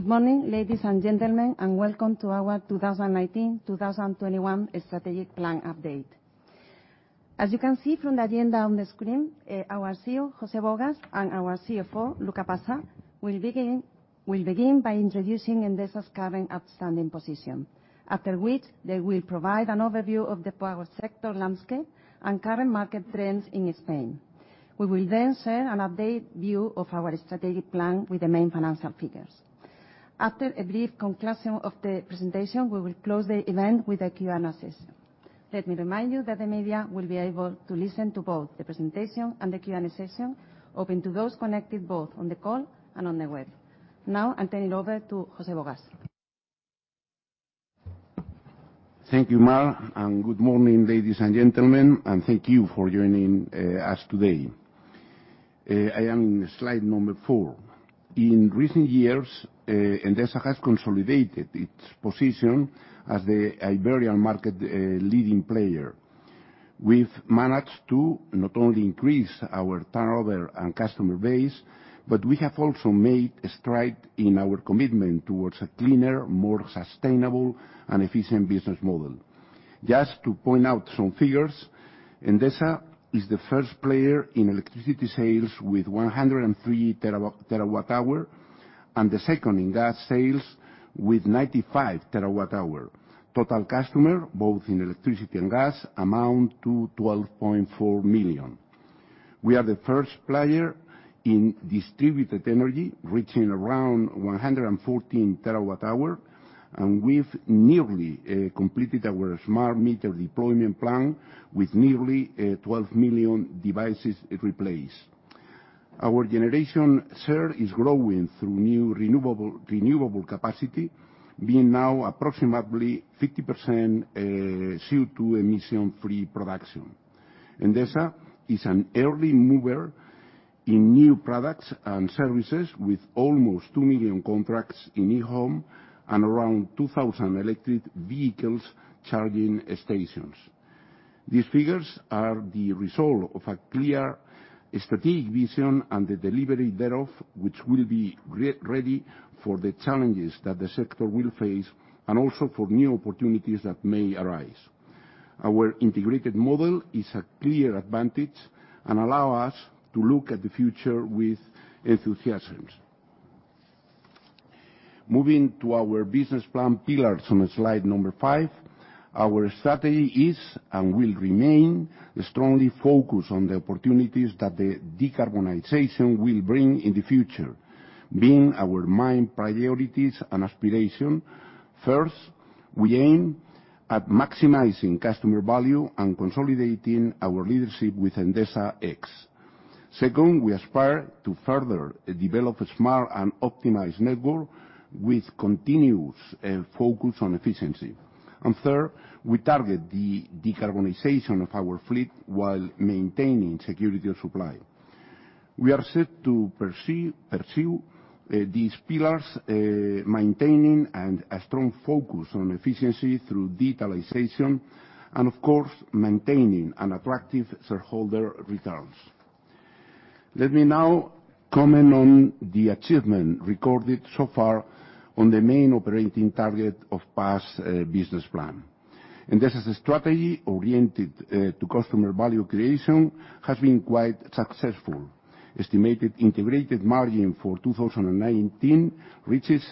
Good morning, ladies and gentlemen, and welcome to our 2019-2021 Strategic Plan Update. As you can see from the agenda on the screen, our CEO, José Bogas, and our CFO, Luca Passa, will begin by introducing Endesa's current outstanding position, after which they will provide an overview of the power sector landscape and current market trends in Spain. We will then share an updated view of our strategic plan with the main financial figures. After a brief conclusion of the presentation, we will close the event with a Q&A session. Let me remind you that the media will be able to listen to both the presentation and the Q&A session, open to those connected both on the call and on the web. Now, I'm turning it over to José Bogas. Thank you, Mar, and good morning, ladies and gentlemen, and thank you for joining us today. I am in slide number four. In recent years, Endesa has consolidated its position as the Iberian market leading player. We've managed to not only increase our turnover and customer base, but we have also made a stride in our commitment towards a cleaner, more sustainable, and efficient business model. Just to point out some figures, Endesa is the first player in electricity sales with 103 terawatt-hours, and the second in gas sales with 95 terawatt-hours. Total customers, both in electricity and gas, amount to 12.4 million. We are the first player in distributed energy, reaching around 114 terawatt-hours, and we've nearly completed our smart meter deployment plan with nearly 12 million devices replaced. Our generation share is growing through new renewable capacity, being now approximately 50% CO2 emission-free production. Endesa is an early mover in new products and services, with almost 2 million contracts in e-Home and around 2,000 electric vehicle charging stations. These figures are the result of a clear strategic vision and the delivery thereof, which will be ready for the challenges that the sector will face and also for new opportunities that may arise. Our integrated model is a clear advantage and allows us to look at the future with enthusiasm. Moving to our business plan pillars on slide number five, our strategy is and will remain strongly focused on the opportunities that the decarbonization will bring in the future, being our main priorities and aspirations. First, we aim at maximizing customer value and consolidating our leadership with Endesa X. Second, we aspire to further develop a smart and optimized network with continuous focus on efficiency. And third, we target the decarbonization of our fleet while maintaining security of supply. We are set to pursue these pillars, maintaining a strong focus on efficiency through digitalization and, of course, maintaining attractive shareholder returns. Let me now comment on the achievement recorded so far on the main operating target of the past business plan. Endesa's strategy, oriented to customer value creation, has been quite successful. Estimated integrated margin for 2019 reaches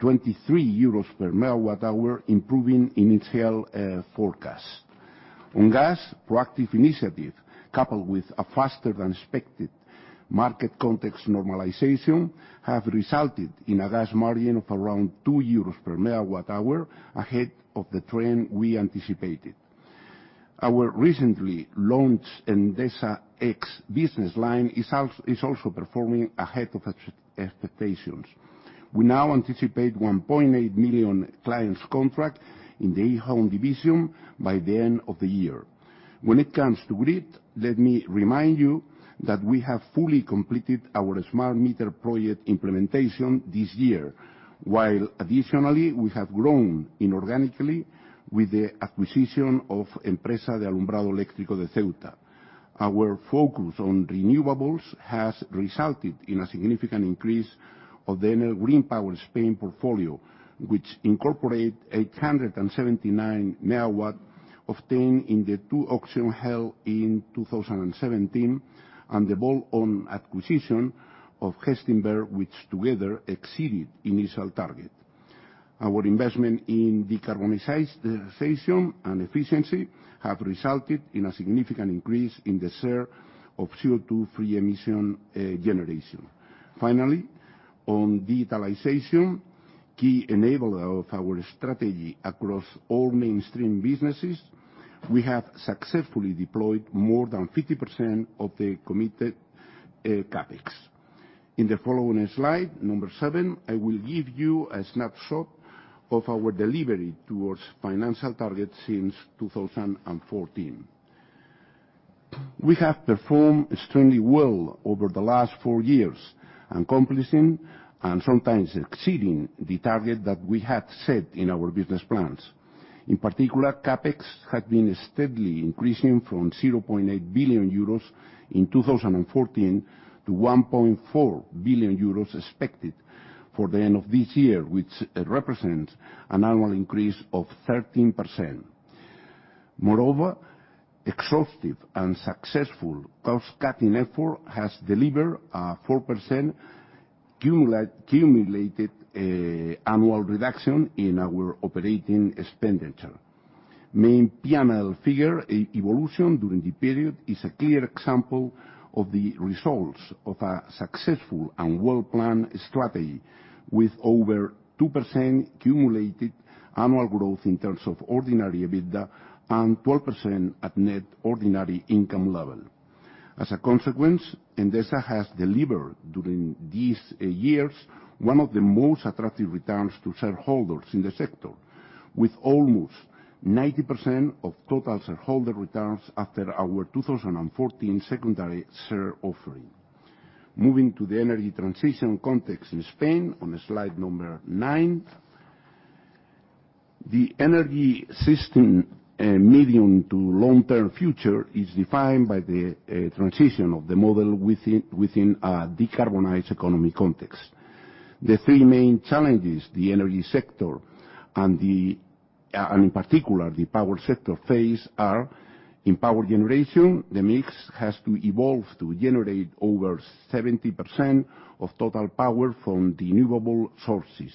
23 euros per megawatt-hour, improving initial forecast. On gas, proactive initiative, coupled with a faster-than-expected market context normalization, have resulted in a gas margin of around 2 euros per megawatt-hour, ahead of the trend we anticipated. Our recently launched Endesa X business line is also performing ahead of expectations. We now anticipate 1.8 million clients' contracts in the e-Home division by the end of the year. When it comes to grid, let me remind you that we have fully completed our smart meter project implementation this year, while additionally we have grown inorganically with the acquisition of Empresa de Alumbrado Eléctrico de Ceuta. Our focus on renewables has resulted in a significant increase of the Enel Green Power Spain portfolio, which incorporates 879 MW obtained in the two auctions held in 2017, and the bolt-on acquisition of Gestinver, which together exceeded the initial target. Our investment in decarbonization and efficiency have resulted in a significant increase in the share of CO2 free emission generation. Finally, on digitalization, key enabler of our strategy across all mainstream businesses, we have successfully deployed more than 50% of the committed CapEx. In the following slide, number seven, I will give you a snapshot of our delivery towards financial targets since 2014. We have performed extremely well over the last four years, accomplishing and sometimes exceeding the target that we had set in our business plans. In particular, CapEx had been steadily increasing from 0.8 billion euros in 2014 to 1.4 billion euros expected for the end of this year, which represents an annual increase of 13%. Moreover, exhaustive and successful cost-cutting effort has delivered a 4% cumulated annual reduction in our operating expenditure. Main profitability figure evolution during the period is a clear example of the results of a successful and well-planned strategy, with over 2% cumulated annual growth in terms of ordinary EBITDA and 12% at net ordinary income level. As a consequence, Endesa has delivered during these years one of the most attractive returns to shareholders in the sector, with almost 90% of total shareholder returns after our 2014 secondary share offering. Moving to the energy transition context in Spain, on slide number nine, the energy system medium to long-term future is defined by the transition of the model within a decarbonized economy context. The three main challenges the energy sector and, in particular, the power sector face are: in power generation, the mix has to evolve to generate over 70% of total power from renewable sources.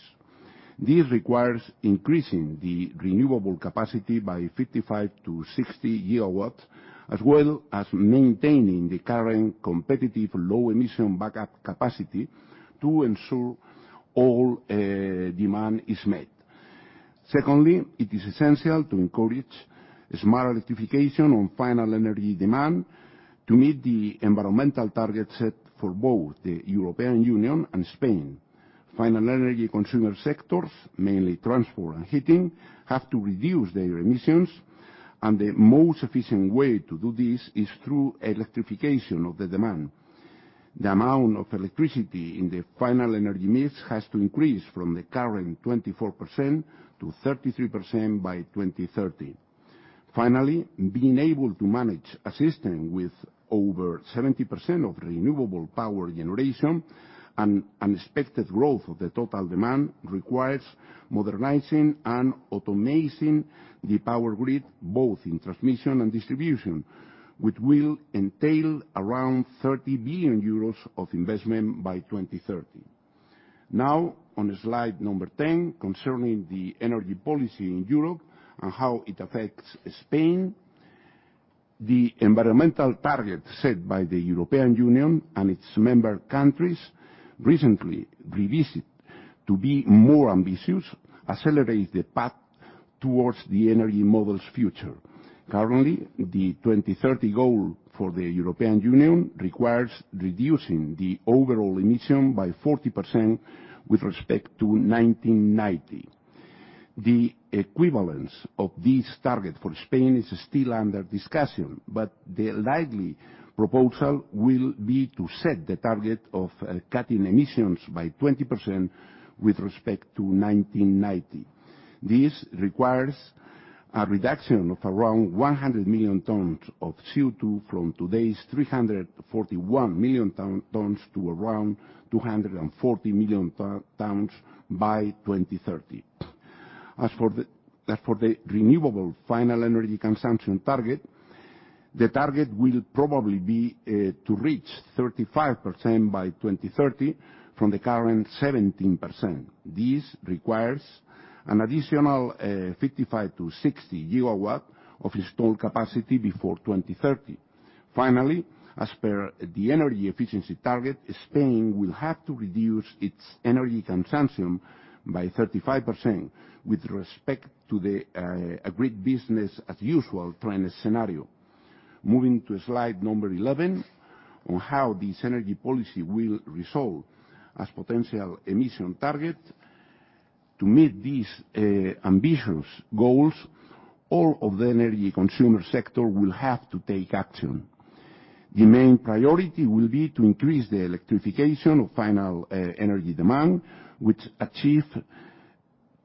This requires increasing the renewable capacity by 55-60 GW, as well as maintaining the current competitive low-emission backup capacity to ensure all demand is met. Secondly, it is essential to encourage smart electrification on final energy demand to meet the environmental targets set for both the European Union and Spain. Final energy consumer sectors, mainly transport and heating, have to reduce their emissions, and the most efficient way to do this is through electrification of the demand. The amount of electricity in the final energy mix has to increase from the current 24% to 33% by 2030. Finally, being able to manage a system with over 70% of renewable power generation and unexpected growth of the total demand requires modernizing and automating the power grid, both in transmission and distribution, which will entail around 30 billion euros of investment by 2030. Now, on slide number 10, concerning the energy policy in Europe and how it affects Spain, the environmental target set by the European Union and its member countries recently revisited to be more ambitious, accelerating the path towards the energy model's future. Currently, the 2030 goal for the European Union requires reducing the overall emission by 40% with respect to 1990. The equivalence of this target for Spain is still under discussion, but the likely proposal will be to set the target of cutting emissions by 20% with respect to 1990. This requires a reduction of around 100 million tons of CO2 from today's 341 million tons to around 240 million tons by 2030. As for the renewable final energy consumption target, the target will probably be to reach 35% by 2030 from the current 17%. This requires an additional 55 to 60 GW of installed capacity before 2030. Finally, as per the energy efficiency target, Spain will have to reduce its energy consumption by 35% with respect to the grid business-as-usual trend scenario. Moving to slide number 11, on how this energy policy will resolve as potential emission target, to meet these ambitious goals, all of the energy consumer sector will have to take action. The main priority will be to increase the electrification of final energy demand, which achieves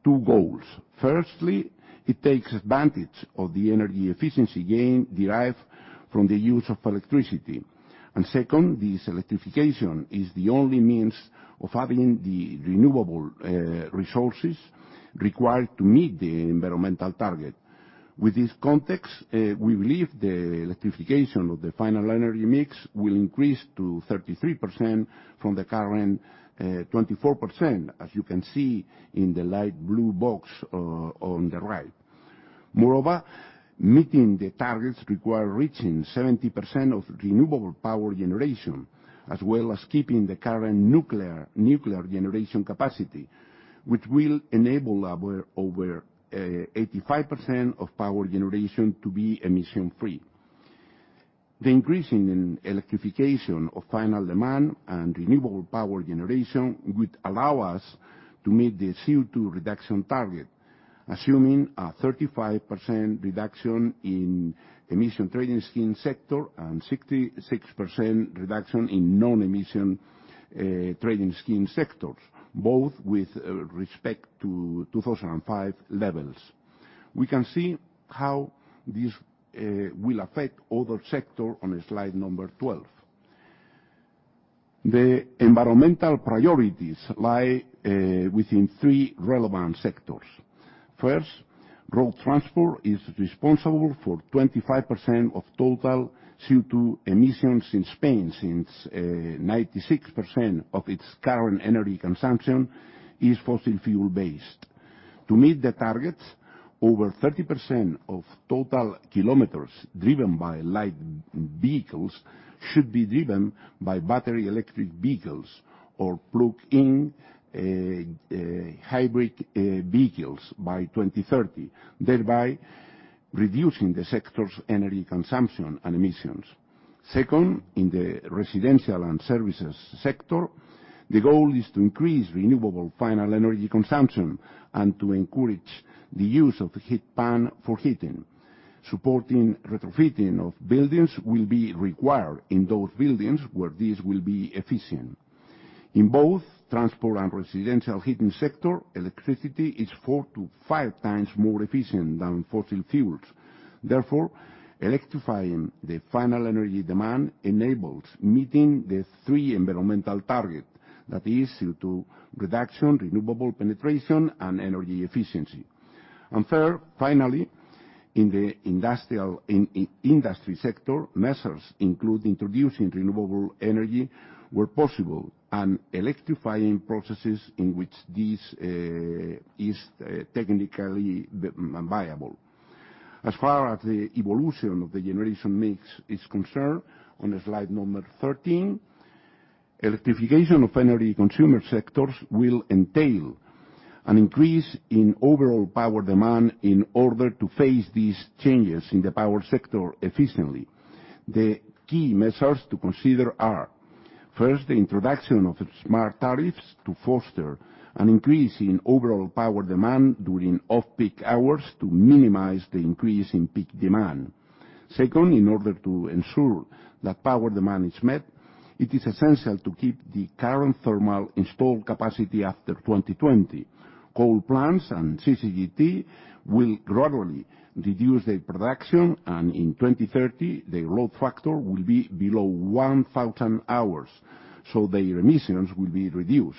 two goals. Firstly, it takes advantage of the energy efficiency gain derived from the use of electricity, and second, this electrification is the only means of having the renewable resources required to meet the environmental target. With this context, we believe the electrification of the final energy mix will increase to 33% from the current 24%, as you can see in the light blue box on the right. Moreover, meeting the targets requires reaching 70% of renewable power generation, as well as keeping the current nuclear generation capacity, which will enable over 85% of power generation to be emission-free. The increasing electrification of final demand and renewable power generation would allow us to meet the CO2 reduction target, assuming a 35% reduction in emissions trading scheme sector and 66% reduction in non-emissions trading scheme sectors, both with respect to 2005 levels. We can see how this will affect other sectors on slide number 12. The environmental priorities lie within three relevant sectors. First, road transport is responsible for 25% of total CO2 emissions in Spain since 96% of its current energy consumption is fossil fuel-based. To meet the target, over 30% of total kilometers driven by light vehicles should be driven by battery electric vehicles or plug-in hybrid vehicles by 2030, thereby reducing the sector's energy consumption and emissions. Second, in the residential and services sector, the goal is to increase renewable final energy consumption and to encourage the use of heat pumps for heating. Supporting retrofitting of buildings will be required in those buildings where this will be efficient. In both transport and residential heating sector, electricity is four to five times more efficient than fossil fuels. Therefore, electrifying the final energy demand enables meeting the three environmental targets, that is, CO2 reduction, renewable penetration, and energy efficiency. And third, finally, in the industrial industry sector, measures include introducing renewable energy where possible and electrifying processes in which this is technically viable. As far as the evolution of the generation mix is concerned, on slide number 13, electrification of energy consumer sectors will entail an increase in overall power demand in order to face these changes in the power sector efficiently. The key measures to consider are: first, the introduction of smart tariffs to foster an increase in overall power demand during off-peak hours to minimize the increase in peak demand. Second, in order to ensure that power demand is met, it is essential to keep the current thermal installed capacity after 2020. Coal plants and CCGT will gradually reduce their production, and in 2030, their growth factor will be below 1,000 hours, so their emissions will be reduced.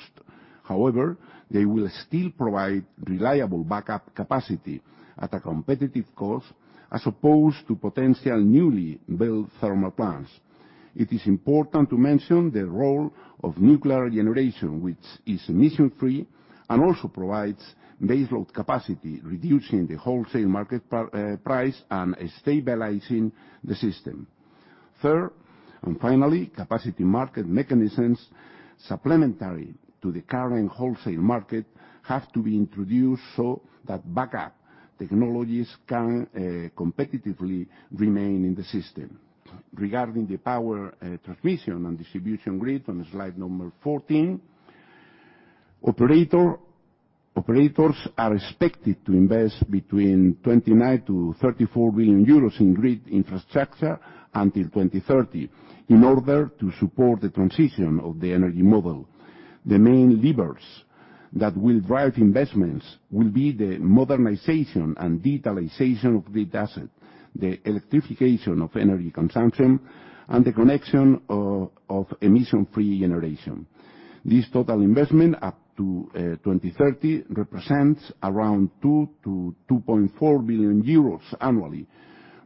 However, they will still provide reliable backup capacity at a competitive cost as opposed to potential newly built thermal plants. It is important to mention the role of nuclear generation, which is emission-free and also provides base load capacity, reducing the wholesale market price and stabilizing the system. Third, and finally, capacity market mechanisms supplementary to the current wholesale market have to be introduced so that backup technologies can competitively remain in the system. Regarding the power transmission and distribution grid, on slide number 14, operators are expected to invest between 29 billion-34 billion euros in grid infrastructure until 2030 in order to support the transition of the energy model. The main levers that will drive investments will be the modernization and digitalization of grid assets, the electrification of energy consumption, and the connection of emission-free generation. This total investment up to 2030 represents around 2 billion-2.4 billion euros annually,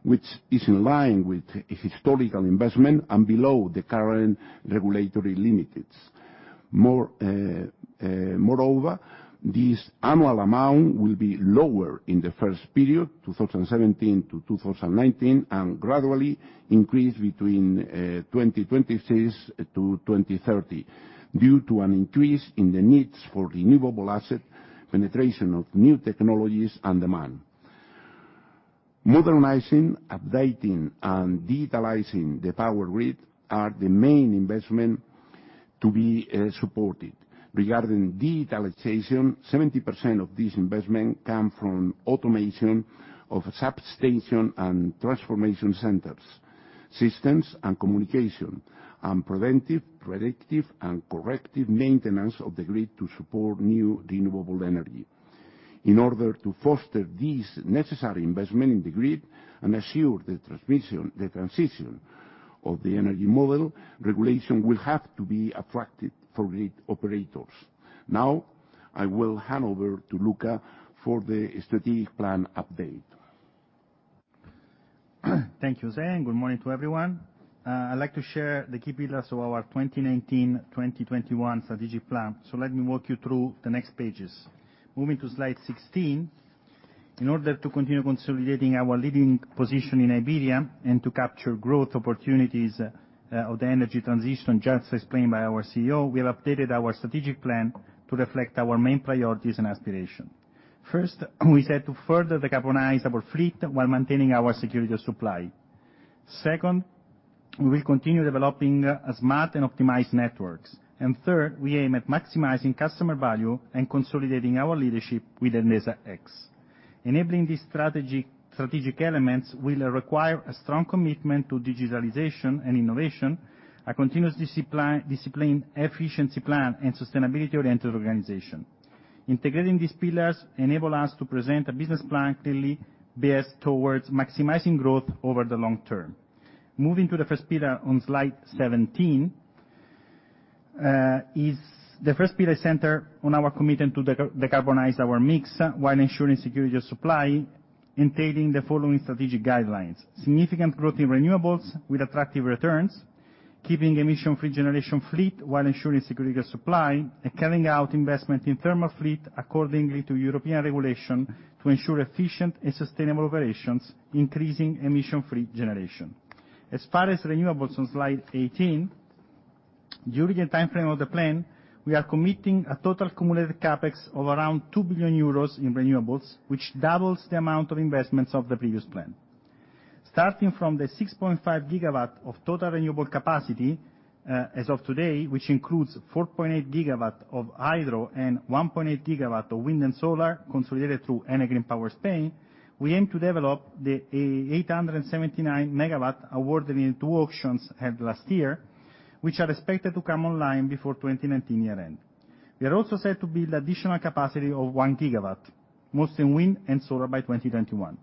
which is in line with historical investment and below the current regulatory limits. Moreover, this annual amount will be lower in the first period, 2017 to 2019, and gradually increase between 2026 to 2030 due to an increase in the needs for renewable assets, penetration of new technologies, and demand. Modernizing, updating, and digitalizing the power grid are the main investments to be supported. Regarding digitalization, 70% of this investment comes from automation of substation and transformation centers, systems, and communication, and preventive, predictive, and corrective maintenance of the grid to support new renewable energy. In order to foster these necessary investments in the grid and assure the transition of the energy model, regulation will have to be attractive for grid operators. Now, I will hand over to Luca for the strategic plan update. Thank you, José, and good morning to everyone. I'd like to share the key pillars of our 2019-2021 strategic plan. So let me walk you through the next pages. Moving to slide 16, in order to continue consolidating our leading position in Iberia and to capture growth opportunities of the energy transition, just explained by our CEO, we have updated our strategic plan to reflect our main priorities and aspirations. First, we set to further decarbonize our fleet while maintaining our security of supply. Second, we will continue developing smart and optimized networks. And third, we aim at maximizing customer value and consolidating our leadership with Endesa X. Enabling these strategic elements will require a strong commitment to digitalization and innovation, a continuous discipline efficiency plan, and sustainability-oriented organization. Integrating these pillars enables us to present a business plan clearly based towards maximizing growth over the long term. Moving to the first pillar on slide 17, the first pillar centers on our commitment to decarbonize our mix while ensuring security of supply, entailing the following strategic guidelines: significant growth in renewables with attractive returns, keeping emission-free generation fleet while ensuring security of supply, and carrying out investment in thermal fleet according to European regulation to ensure efficient and sustainable operations, increasing emission-free generation. As far as renewables on slide 18, during the timeframe of the plan, we are committing a total cumulative CapEx of around 2 billion euros in renewables, which doubles the amount of investments of the previous plan. Starting from the 6.5 GW of total renewable capacity as of today, which includes 4.8 GW of hydro and 1.8 GW of wind and solar consolidated through Enel Green Power Spain, we aim to develop the 879 MW awarded in two auctions held last year, which are expected to come online before 2019 year-end. We are also set to build additional capacity of 1 GW, mostly in wind and solar by 2021.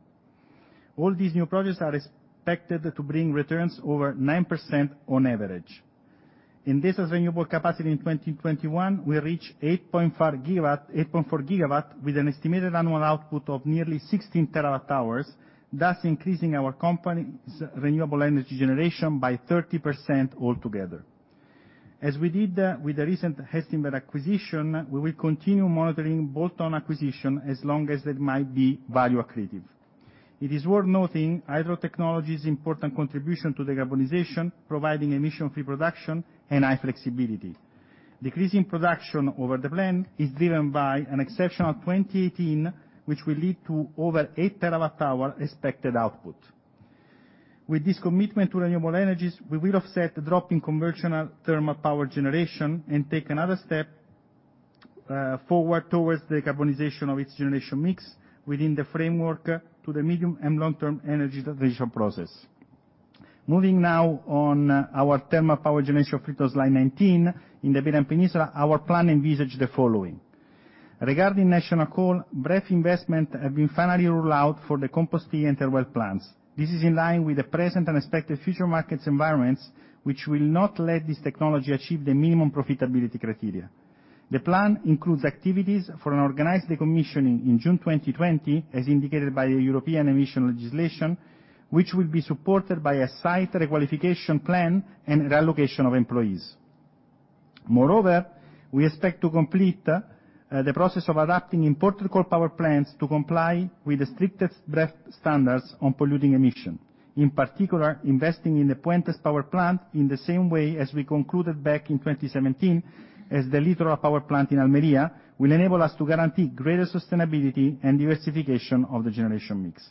All these new projects are expected to bring returns over 9% on average. In this renewable capacity in 2021, we reached 8.4 GW with an estimated annual output of nearly 16 terawatt-hours, thus increasing our company's renewable energy generation by 30% altogether. As we did with the recent Gestinver acquisition, we will continue monitoring bolt-on acquisition as long as it might be value-accretive. It is worth noting hydro technology's important contribution to decarbonization, providing emission-free production and high flexibility. Decreasing production over the plan is driven by an exceptional 2018, which will lead to over eight terawatt-hour expected output. With this commitment to renewable energies, we will offset the drop in conventional thermal power generation and take another step forward towards decarbonization of its generation mix within the framework to the medium and long-term energy transition process. Moving now on our thermal power generation fleet on slide 19, in the Iberian Peninsula, our plan envisages the following. Regarding national coal, BREF investments have been finally ruled out for the Compostilla and Teruel plants. This is in line with the present and expected future market environments, which will not let this technology achieve the minimum profitability criteria. The plan includes activities for an organized decommissioning in June 2020, as indicated by the European emission legislation, which will be supported by a site requalification plan and reallocation of employees. Moreover, we expect to complete the process of adapting imported coal power plants to comply with the strictest BREF standards on polluting emissions. In particular, investing in the As Pontes power plant in the same way as we concluded back in 2017 as the Litoral power plant in Almería will enable us to guarantee greater sustainability and diversification of the generation mix.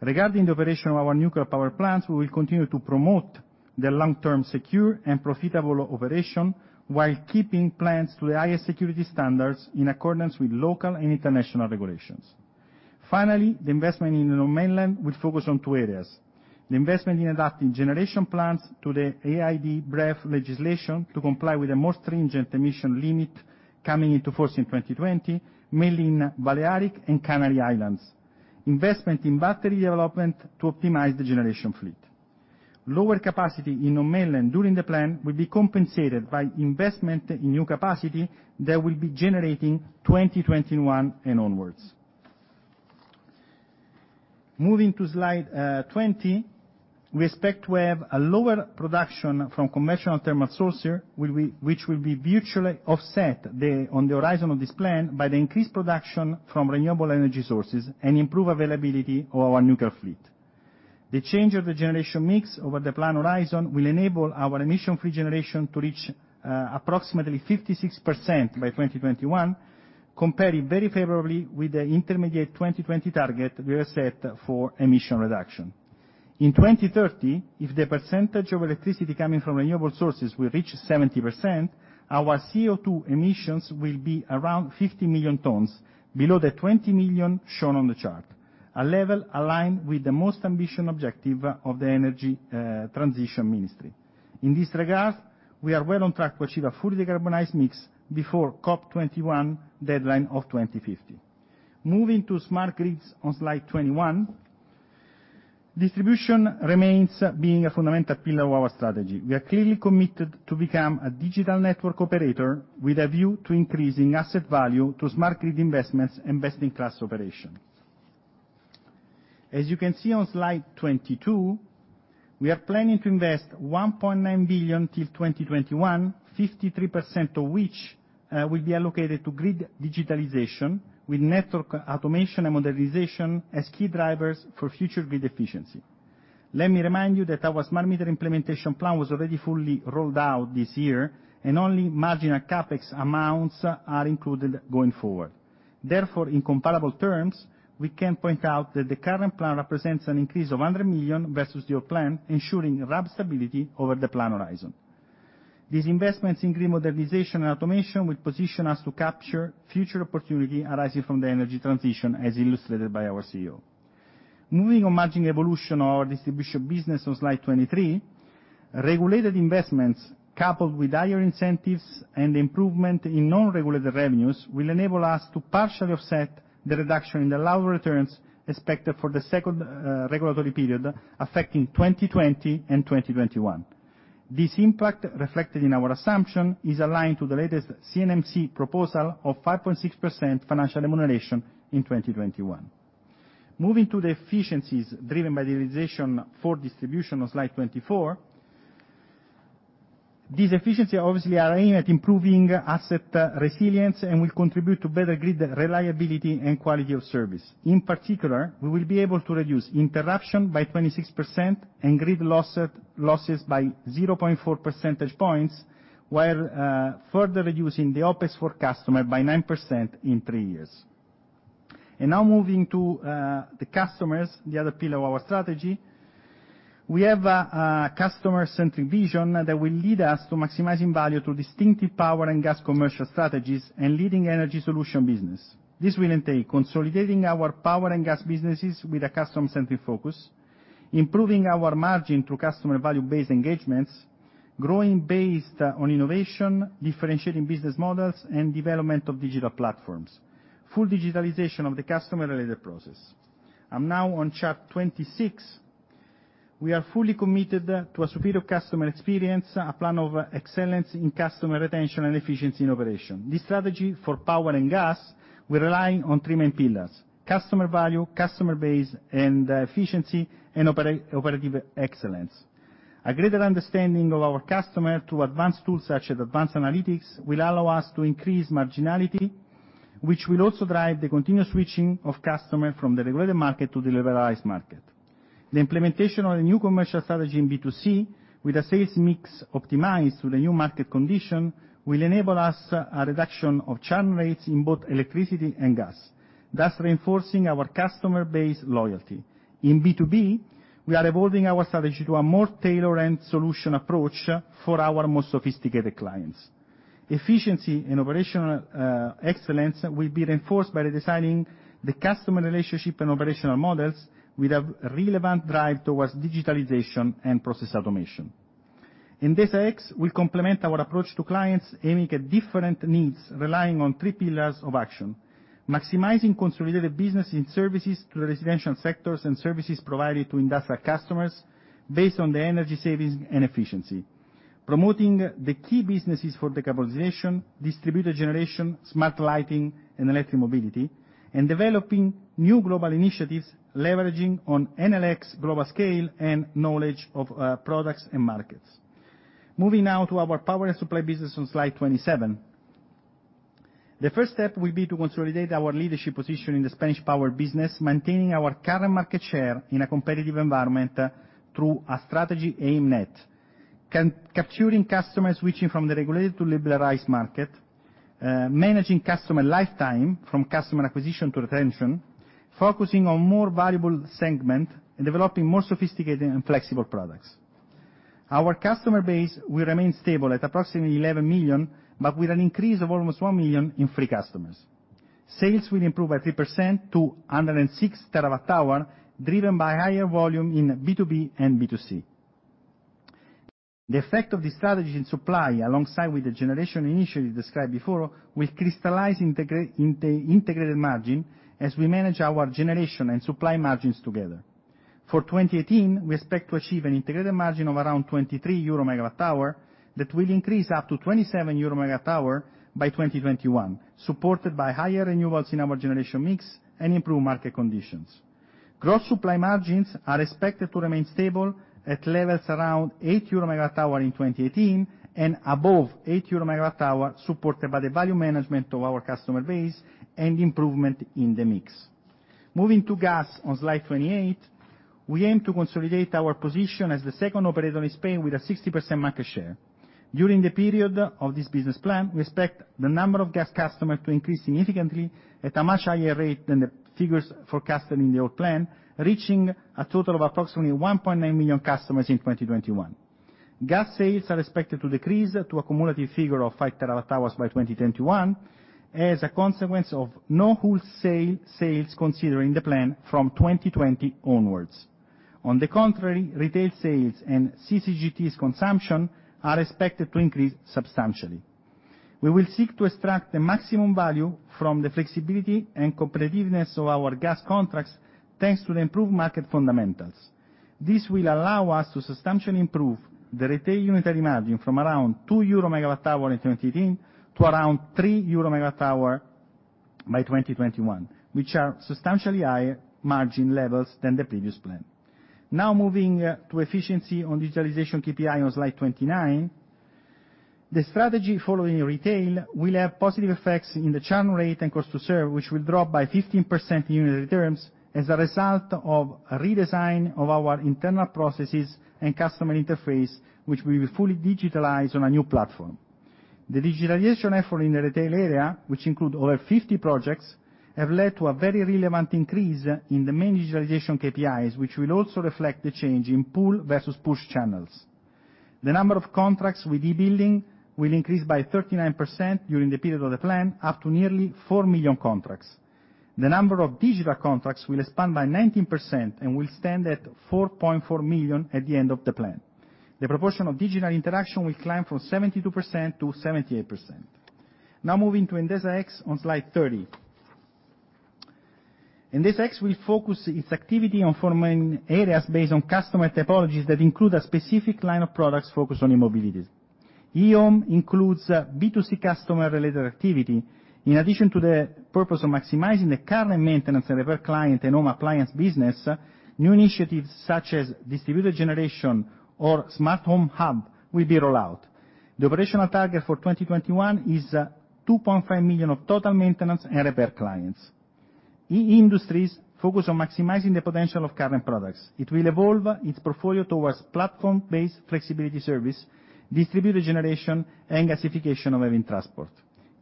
Regarding the operation of our nuclear power plants, we will continue to promote the long-term secure and profitable operation while keeping plants to the highest security standards in accordance with local and international regulations. Finally, the investment in the mainland will focus on two areas: the investment in adapting generation plants to the IED BREF legislation to comply with the most stringent emission limit coming into force in 2020, mainly in Balearic and Canary Islands, and investment in battery development to optimize the generation fleet. Lower capacity in the mainland during the plan will be compensated by investment in new capacity that will be generating 2021 and onwards. Moving to slide 20, we expect to have a lower production from conventional thermal sources, which will be virtually offset on the horizon of this plan by the increased production from renewable energy sources and improved availability of our nuclear fleet. The change of the generation mix over the planned horizon will enable our emission-free generation to reach approximately 56% by 2021, comparing very favorably with the intermediate 2020 target we have set for emission reduction. In 2030, if the percentage of electricity coming from renewable sources will reach 70%, our CO2 emissions will be around 50 million tons, below the 20 million shown on the chart, a level aligned with the most ambitious objective of the Energy Transition Ministry. In this regard, we are well on track to achieve a fully decarbonized mix before COP21 deadline of 2050. Moving to smart grids on slide 21, distribution remains being a fundamental pillar of our strategy. We are clearly committed to become a digital network operator with a view to increasing asset value to smart grid investments and best-in-class operations. As you can see on slide 22, we are planning to invest 1.9 billion till 2021, 53% of which will be allocated to grid digitalization with network automation and modernization as key drivers for future grid efficiency. Let me remind you that our smart meter implementation plan was already fully rolled out this year, and only marginal CapEx amounts are included going forward. Therefore, in comparable terms, we can point out that the current plan represents an increase of 100 million versus the old plan, ensuring rough stability over the planned horizon. These investments in grid modernization and automation will position us to capture future opportunities arising from the energy transition, as illustrated by our CEO. Moving on margin evolution of our distribution business on slide 23, regulated investments coupled with higher incentives and improvement in non-regulated revenues will enable us to partially offset the reduction in the lower returns expected for the second regulatory period affecting 2020 and 2021. This impact, reflected in our assumption, is aligned to the latest CNMC proposal of 5.6% financial remuneration in 2021. Moving to the efficiencies driven by the realization for distribution on slide 24, these efficiencies obviously are aimed at improving asset resilience and will contribute to better grid reliability and quality of service. In particular, we will be able to reduce interruption by 26% and grid losses by 0.4 percentage points, while further reducing the OpEx for customers by 9% in three years. And now moving to the customers, the other pillar of our strategy, we have a customer-centric vision that will lead us to maximizing value through distinctive power and gas commercial strategies and leading energy solution business. This will entail consolidating our power and gas businesses with a customer-centric focus, improving our margin through customer value-based engagements, growing based on innovation, differentiating business models, and development of digital platforms, full digitalization of the customer-related process. And now on chart 26, we are fully committed to a superior customer experience, a plan of excellence in customer retention and efficiency in operation. This strategy for power and gas will rely on three main pillars: customer value, customer-based efficiency, and operative excellence. A greater understanding of our customer through advanced tools such as advanced analytics will allow us to increase marginality, which will also drive the continuous switching of customers from the regulated market to the liberalized market. The implementation of the new commercial strategy in B2C, with a sales mix optimized to the new market condition, will enable us a reduction of churn rates in both electricity and gas, thus reinforcing our customer-based loyalty. In B2B, we are evolving our strategy to a more tailored solution approach for our most sophisticated clients. Efficiency and operational excellence will be reinforced by designing the customer relationship and operational models with a relevant drive towards digitalization and process automation. Endesa X will complement our approach to clients aiming at different needs, relying on three pillars of action: maximizing consolidated businesses and services to the residential sectors and services provided to industrial customers based on the energy savings and efficiency, promoting the key businesses for decarbonization, distributed generation, smart lighting, and electric mobility, and developing new global initiatives leveraging on Enel X global scale and knowledge of products and markets. Moving now to our power and supply business on slide 27. The first step will be to consolidate our leadership position in the Spanish power business, maintaining our current market share in a competitive environment through a strategy aimed at capturing customers switching from the regulated to liberalized market, managing customer lifetime from customer acquisition to retention, focusing on more valuable segments, and developing more sophisticated and flexible products. Our customer base will remain stable at approximately 11 million, but with an increase of almost one million in free customers. Sales will improve by 3% to 106 terawatt-hour, driven by higher volume in B2B and B2C. The effect of the strategy in supply, alongside with the generation initially described before, will crystallize integrated margin as we manage our generation and supply margins together. For 2018, we expect to achieve an integrated margin of around 23 euro megawatt-hour that will increase up to 27 euro megawatt-hour by 2021, supported by higher renewables in our generation mix and improved market conditions. Gross supply margins are expected to remain stable at levels around 8 euro megawatt-hour in 2018 and above 8 euro megawatt-hour, supported by the value management of our customer base and improvement in the mix. Moving to gas on slide 28, we aim to consolidate our position as the second operator in Spain with a 60% market share. During the period of this business plan, we expect the number of gas customers to increase significantly at a much higher rate than the figures forecasted in the old plan, reaching a total of approximately 1.9 million customers in 2021. Gas sales are expected to decrease to a cumulative figure of 5 terawatt-hours by 2021 as a consequence of no wholesale sales considering the plan from 2020 onwards. On the contrary, retail sales and CCGTs consumption are expected to increase substantially. We will seek to extract the maximum value from the flexibility and competitiveness of our gas contracts thanks to the improved market fundamentals. This will allow us to substantially improve the retail unitary margin from around 2 euro megawatt-hour in 2018 to around 3 euro megawatt-hour by 2021, which are substantially higher margin levels than the previous plan. Now moving to efficiency on digitalization KPI on slide 29, the strategy following retail will have positive effects in the churn rate and cost to serve, which will drop by 15% in unitary terms as a result of redesign of our internal processes and customer interface, which will be fully digitalized on a new platform. The digitalization effort in the retail area, which includes over 50 projects, has led to a very relevant increase in the main digitalization KPIs, which will also reflect the change in pull versus push channels. The number of contracts with e-billing will increase by 39% during the period of the plan, up to nearly 4 million contracts. The number of digital contracts will expand by 19% and will stand at 4.4 million at the end of the plan. The proportion of digital interaction will climb from 72% to 78%. Now moving to Endesa X on slide 30. Endesa X will focus its activity on four main areas based on customer typologies that include a specific line of products focused on e-Mobility. e-Home includes B2C customer-related activity. In addition to the purpose of maximizing the current maintenance and repair client and home appliance business, new initiatives such as distributed generation or smart home hub will be rolled out. The operational target for 2021 is 2.5 million of total maintenance and repair clients. e-Industries focus on maximizing the potential of current products. It will evolve its portfolio towards platform-based flexibility service, distributed generation, and gasification of heavy transport.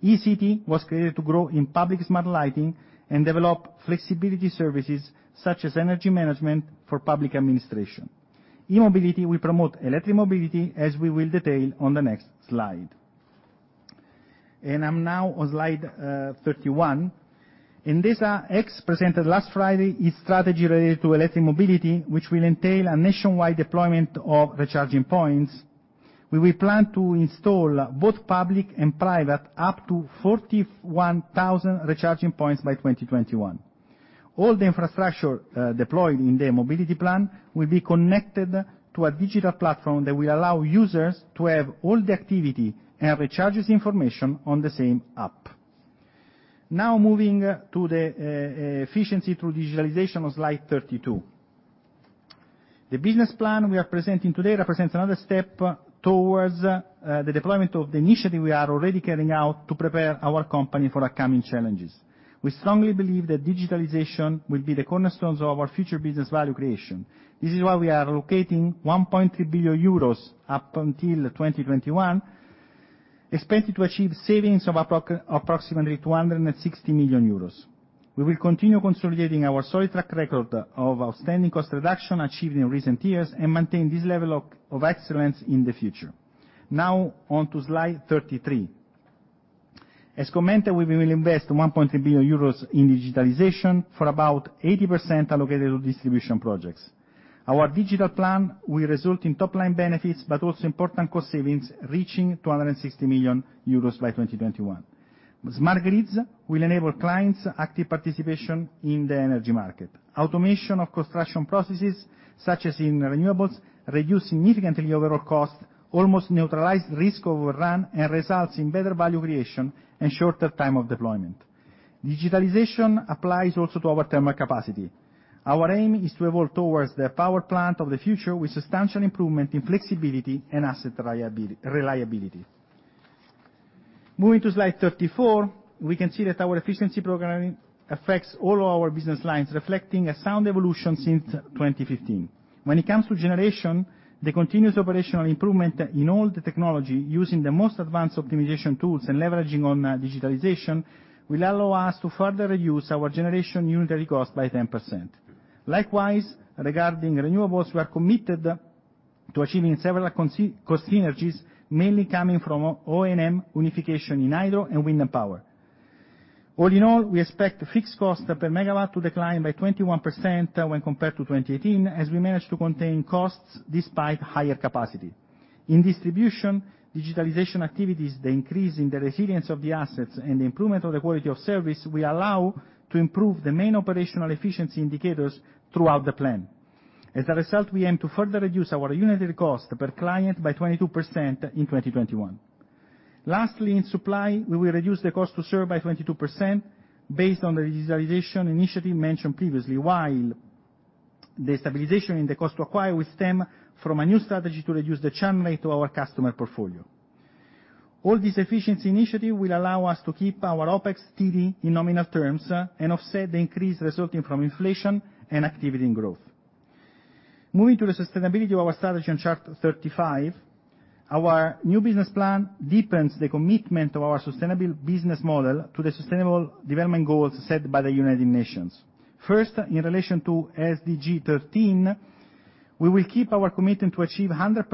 e-City was created to grow in public smart lighting and develop flexibility services such as energy management for public administration. e-Mobility will promote electric mobility, as we will detail on the next slide. And I'm now on slide 31. Endesa X presented last Friday its strategy related to electric mobility, which will entail a nationwide deployment of recharging points. We will plan to install both public and private up to 41,000 recharging points by 2021. All the infrastructure deployed in the mobility plan will be connected to a digital platform that will allow users to have all the activity and recharge information on the same app. Now moving to the efficiency through digitalization on slide 32. The business plan we are presenting today represents another step towards the deployment of the initiative we are already carrying out to prepare our company for upcoming challenges. We strongly believe that digitalization will be the cornerstones of our future business value creation. This is why we are allocating 1.3 billion euros up until 2021, expected to achieve savings of approximately 260 million euros. We will continue consolidating our solid track record of outstanding cost reduction achieved in recent years and maintain this level of excellence in the future. Now on to slide 33. As commented, we will invest 1.3 billion euros in digitalization for about 80% allocated to distribution projects. Our digital plan will result in top-line benefits, but also important cost savings reaching 260 million euros by 2021. Smart grids will enable clients' active participation in the energy market. Automation of construction processes, such as in renewables, reduces significantly overall costs, almost neutralizes risk of overrun, and results in better value creation and shorter time of deployment. Digitalization applies also to our thermal capacity. Our aim is to evolve towards the power plant of the future with substantial improvement in flexibility and asset reliability. Moving to slide 34, we can see that our efficiency program affects all of our business lines, reflecting a sound evolution since 2015. When it comes to generation, the continuous operational improvement in all the technology using the most advanced optimization tools and leveraging on digitalization will allow us to further reduce our generation unitary cost by 10%. Likewise, regarding renewables, we are committed to achieving several cost synergies, mainly coming from O&M unification in hydro and wind and power. All in all, we expect fixed cost per megawatt to decline by 21% when compared to 2018, as we manage to contain costs despite higher capacity. In distribution, digitalization activities, the increase in the resilience of the assets, and the improvement of the quality of service will allow us to improve the main operational efficiency indicators throughout the plan. As a result, we aim to further reduce our unitary cost per client by 22% in 2021. Lastly, in supply, we will reduce the cost to serve by 22% based on the digitalization initiative mentioned previously, while stabilization in the cost to acquire will stem from a new strategy to reduce the churn rate of our customer portfolio. All this efficiency initiative will allow us to keep our OpEx steady in nominal terms and offset the increase resulting from inflation and activity and growth. Moving to the sustainability of our strategy on chart 35, our new business plan deepens the commitment of our sustainable business model to the Sustainable Development Goals set by the United Nations. First, in relation to SDG 13, we will keep our commitment to achieve 100%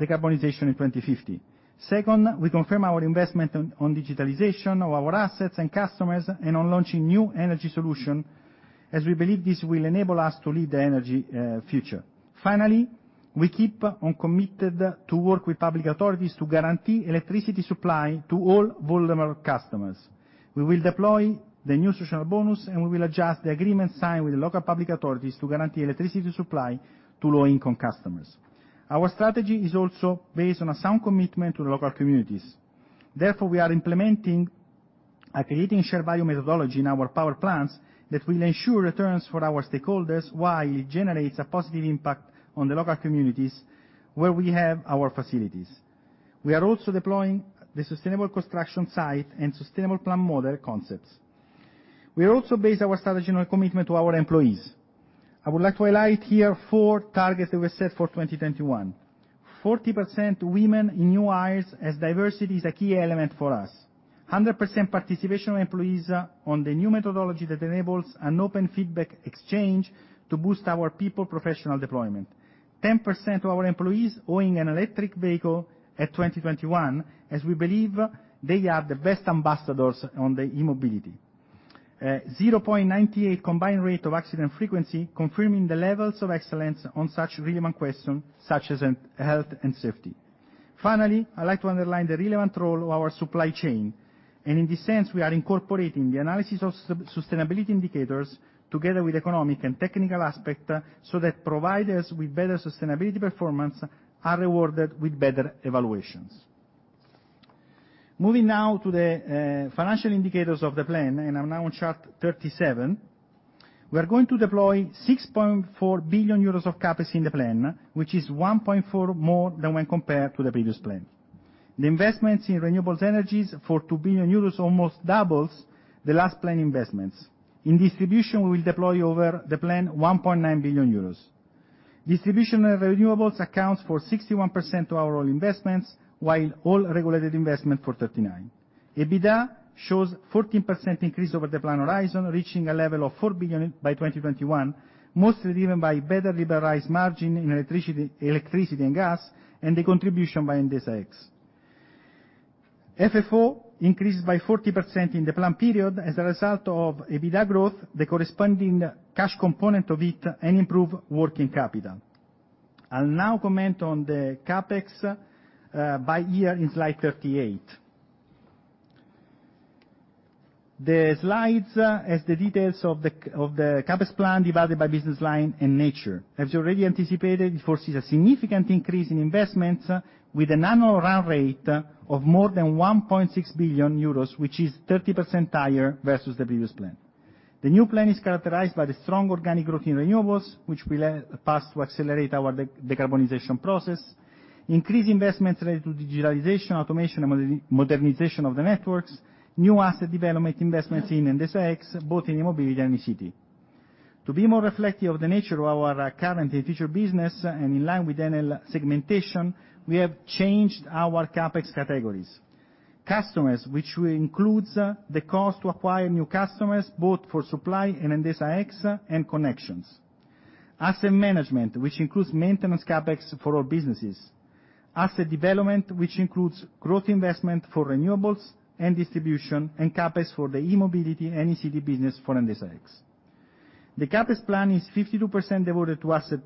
decarbonization in 2050. Second, we confirm our investment on digitalization of our assets and customers and on launching new energy solutions, as we believe this will enable us to lead the energy future. Finally, we keep on committed to work with public authorities to guarantee electricity supply to all vulnerable customers. We will deploy the new Social Bonus, and we will adjust the agreement signed with local public authorities to guarantee electricity supply to low-income customers. Our strategy is also based on a sound commitment to the local communities. Therefore, we are implementing a Creating Shared Value methodology in our power plants that will ensure returns for our stakeholders while it generates a positive impact on the local communities where we have our facilities. We are also deploying the Sustainable Construction Site and Sustainable Plant model concepts. We are also based on our strategy and our commitment to our employees. I would like to highlight here four targets that were set for 2021: 40% women in new hires as diversity is a key element for us. 100% participation of employees on the new methodology that enables an open feedback exchange to boost our people professional deployment. 10% of our employees owning an electric vehicle at 2021, as we believe they are the best ambassadors on the e-Mobility. 0.98 combined rate of accident frequency, confirming the levels of excellence on such relevant questions such as health and safety. Finally, I'd like to underline the relevant role of our supply chain. And in this sense, we are incorporating the analysis of sustainability indicators together with economic and technical aspects so that providers with better sustainability performance are rewarded with better evaluations. Moving now to the financial indicators of the plan, and I'm now on chart 37. We are going to deploy 6.4 billion euros of CapEx in the plan, which is 1.4 more than when compared to the previous plan. The investments in renewables energies for 2 billion euros almost doubles the last plan investments. In distribution, we will deploy over the plan 1.9 billion euros. Distribution and renewables accounts for 61% of our all investments, while all regulated investment for 39%. EBITDA shows a 14% increase over the plan horizon, reaching a level of 4 billion by 2021, mostly driven by better liberalized margin in electricity and gas and the contribution by Endesa X. FFO increased by 40% in the plan period as a result of EBITDA growth, the corresponding cash component of it, and improved working capital. I'll now comment on the CapEx by year in slide 38. The slides have the details of the CapEx plan divided by business line and nature. As you already anticipated, it foresees a significant increase in investments with a nominal run rate of more than 1.6 billion euros, which is 30% higher versus the previous plan. The new plan is characterized by the strong organic growth in renewables, which will help to accelerate our decarbonization process, increased investments related to digitalization, automation, and modernization of the networks, new asset development investments in Endesa X, both in e-Mobility and e-City. To be more reflective of the nature of our current and future business and in line with Enel segmentation, we have changed our CapEx categories. Customers, which includes the cost to acquire new customers both for supply and Endesa X and connections. Asset management, which includes maintenance CapEx for all businesses. Asset development, which includes growth investment for renewables and distribution and CapEx for the e-Mobility and e-City business for Endesa X. The CapEx plan is 52% devoted to asset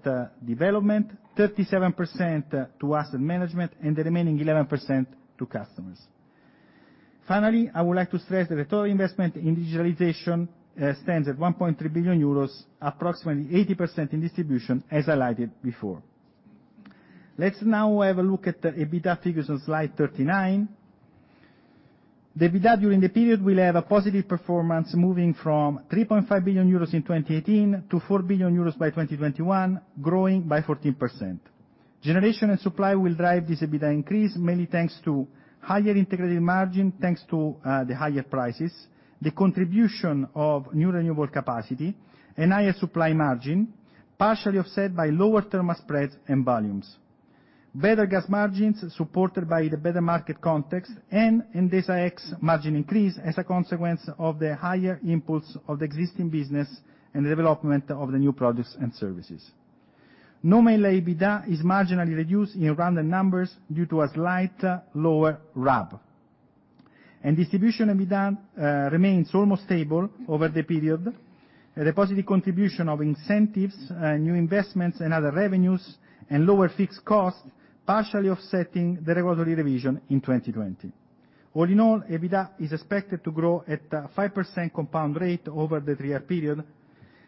development, 37% to asset management, and the remaining 11% to customers. Finally, I would like to stress that the total investment in digitalization stands at 1.3 billion euros, approximately 80% in distribution, as highlighted before. Let's now have a look at EBITDA figures on slide 39. The EBITDA during the period will have a positive performance, moving from 3.5 billion euros in 2018 to 4 billion euros by 2021, growing by 14%. Generation and supply will drive this EBITDA increase, mainly thanks to higher integrated margin, thanks to the higher prices, the contribution of new renewable capacity, and higher supply margin, partially offset by lower thermal spreads and volumes. Better gas margins supported by the better market context and Endesa X margin increase as a consequence of the higher impulse of the existing business and the development of the new products and services. Nominal EBITDA is marginally reduced in random numbers due to a slight lower RAB. Distribution EBITDA remains almost stable over the period. The positive contribution of incentives, new investments, and other revenues, and lower fixed costs partially offsetting the regulatory revision in 2020. All in all, EBITDA is expected to grow at a 5% compound rate over the three-year period.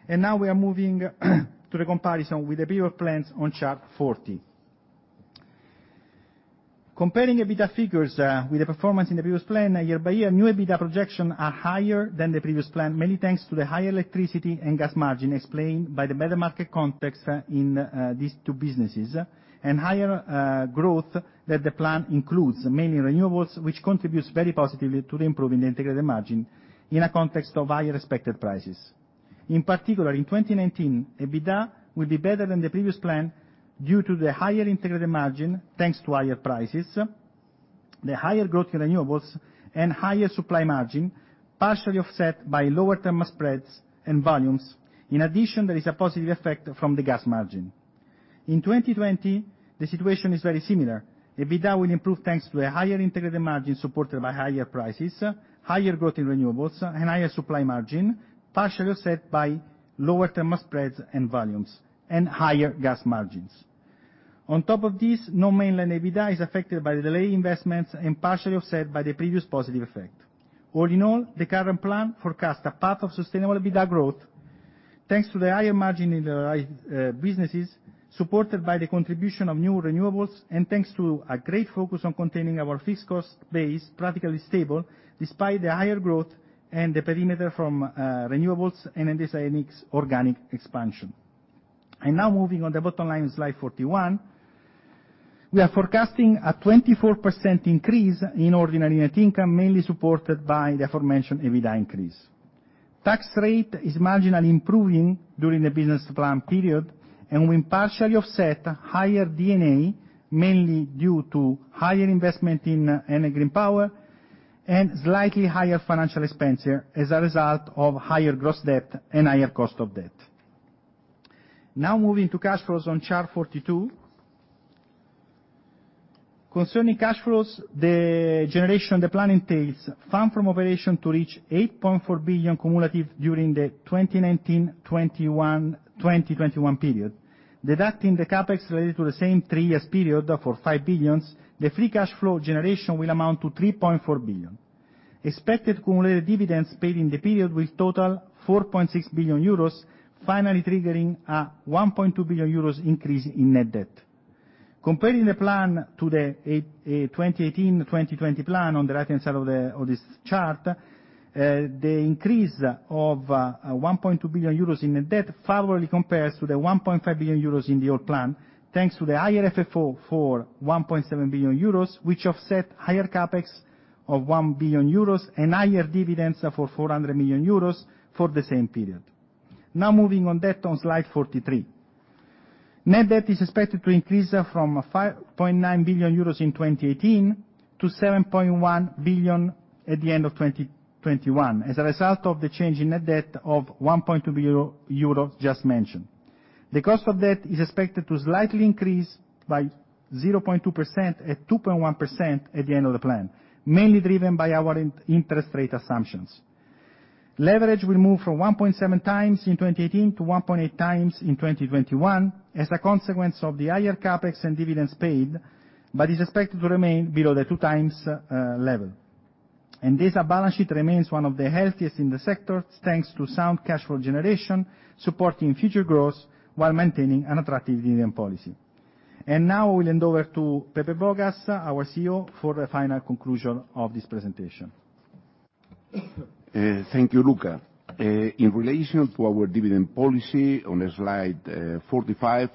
Now we are moving to the comparison with the previous plans on chart 40. Comparing EBITDA figures with the performance in the previous plan year by year, new EBITDA projections are higher than the previous plan, mainly thanks to the higher electricity and gas margin explained by the better market context in these two businesses and higher growth that the plan includes, mainly renewables, which contributes very positively to the improvement in the integrated margin in a context of higher expected prices. In particular, in 2019, EBITDA will be better than the previous plan due to the higher integrated margin thanks to higher prices, the higher growth in renewables, and higher supply margin, partially offset by lower thermal spreads and volumes. In addition, there is a positive effect from the gas margin. In 2020, the situation is very similar. EBITDA will improve thanks to a higher integrated margin supported by higher prices, higher growth in renewables, and higher supply margin, partially offset by lower thermal spreads and volumes, and higher gas margins. On top of this, non-mainland EBITDA is affected by the delayed investments and partially offset by the previous positive effect. All in all, the current plan forecasts a path of sustainable EBITDA growth thanks to the higher margin in the businesses supported by the contribution of new renewables and thanks to a great focus on containing our fixed cost base, practically stable, despite the higher growth and the perimeter from renewables and Endesa X organic expansion. And now moving on the bottom line of slide 41, we are forecasting a 24% increase in ordinary net income, mainly supported by the aforementioned EBITDA increase. Tax rate is marginally improving during the business plan period and will partially offset higher D&A, mainly due to higher investment in energy and power and slightly higher financial expenditure as a result of higher gross debt and higher cost of debt. Now moving to cash flows on chart 42. Concerning cash flows, the generation on the plan entails funds from operations to reach 8.4 billion cumulative during the 2019-2021 period. Deducting the CapEx related to the same three-year period for 5 billion, the free cash flow generation will amount to 3.4 billion. Expected cumulative dividends paid in the period will total 4.6 billion euros, finally triggering a 1.2 billion euros increase in net debt. Comparing the plan to the 2018-2020 plan on the right-hand side of this chart, the increase of 1.2 billion euros in net debt favorably compares to the 1.5 billion euros in the old plan, thanks to the higher FFO for 1.7 billion euros, which offset higher CapEx of 1 billion euros and higher dividends for 400 million euros for the same period. Now, moving on to debt on slide 43. Net debt is expected to increase from 5.9 billion euros in 2018 to 7.1 billion at the end of 2021 as a result of the change in net debt of 1.2 billion euros just mentioned. The cost of debt is expected to slightly increase by 0.2% to 2.1% at the end of the plan, mainly driven by our interest rate assumptions. Leverage will move from 1.7 times in 2018 to 1.8 times in 2021 as a consequence of the higher CapEx and dividends paid, but is expected to remain below the 2 times level, and this balance sheet remains one of the healthiest in the sector thanks to sound cash flow generation supporting future growth while maintaining an attractive dividend policy, and now we'll hand over to Pepe Bogas, our CEO, for the final conclusion of this presentation. Thank you, Luca. In relation to our dividend policy on slide 45,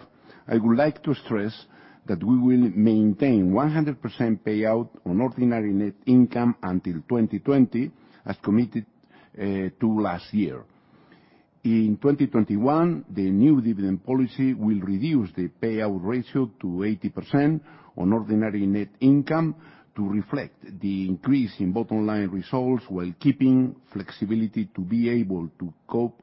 I would like to stress that we will maintain 100% payout on ordinary net income until 2020, as committed to last year. In 2021, the new dividend policy will reduce the payout ratio to 80% on ordinary net income to reflect the increase in bottom line results while keeping flexibility to be able to cope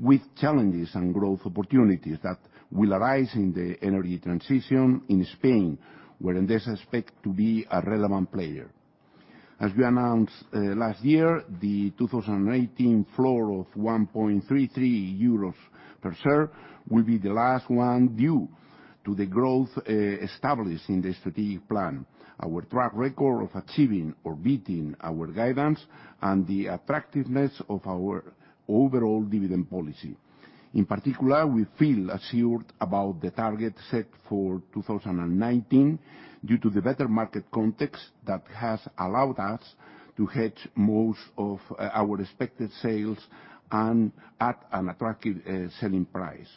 with challenges and growth opportunities that will arise in the energy transition in Spain, where Endesa is expected to be a relevant player. As we announced last year, the 2018 floor of 1.33 euros per share will be the last one due to the growth established in the strategic plan, our track record of achieving or beating our guidance, and the attractiveness of our overall dividend policy. In particular, we feel assured about the target set for 2019 due to the better market context that has allowed us to hedge most of our expected sales and at an attractive selling price.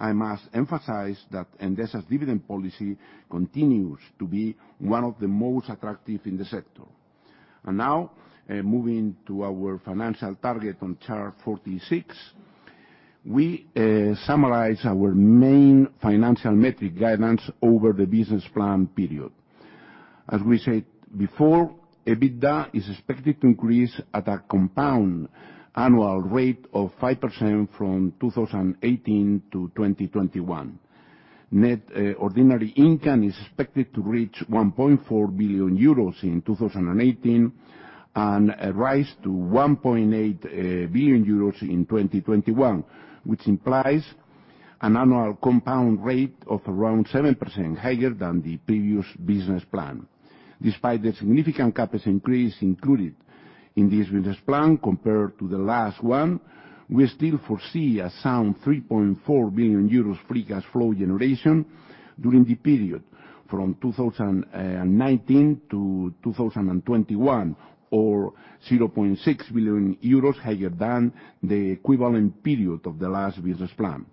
I must emphasize that Endesa's dividend policy continues to be one of the most attractive in the sector, and now moving to our financial target on chart 46, we summarize our main financial metric guidance over the business plan period. As we said before, EBITDA is expected to increase at a compound annual rate of 5% from 2018 to 2021. Net ordinary income is expected to reach 1.4 billion euros in 2018 and rise to 1.8 billion euros in 2021, which implies an annual compound rate of around 7% higher than the previous business plan. Despite the significant CapEx increase included in this business plan compared to the last one, we still foresee a sound 3.4 billion euros free cash flow generation during the period from 2019 to 2021, or 0.6 billion euros higher than the equivalent period of the last business plan.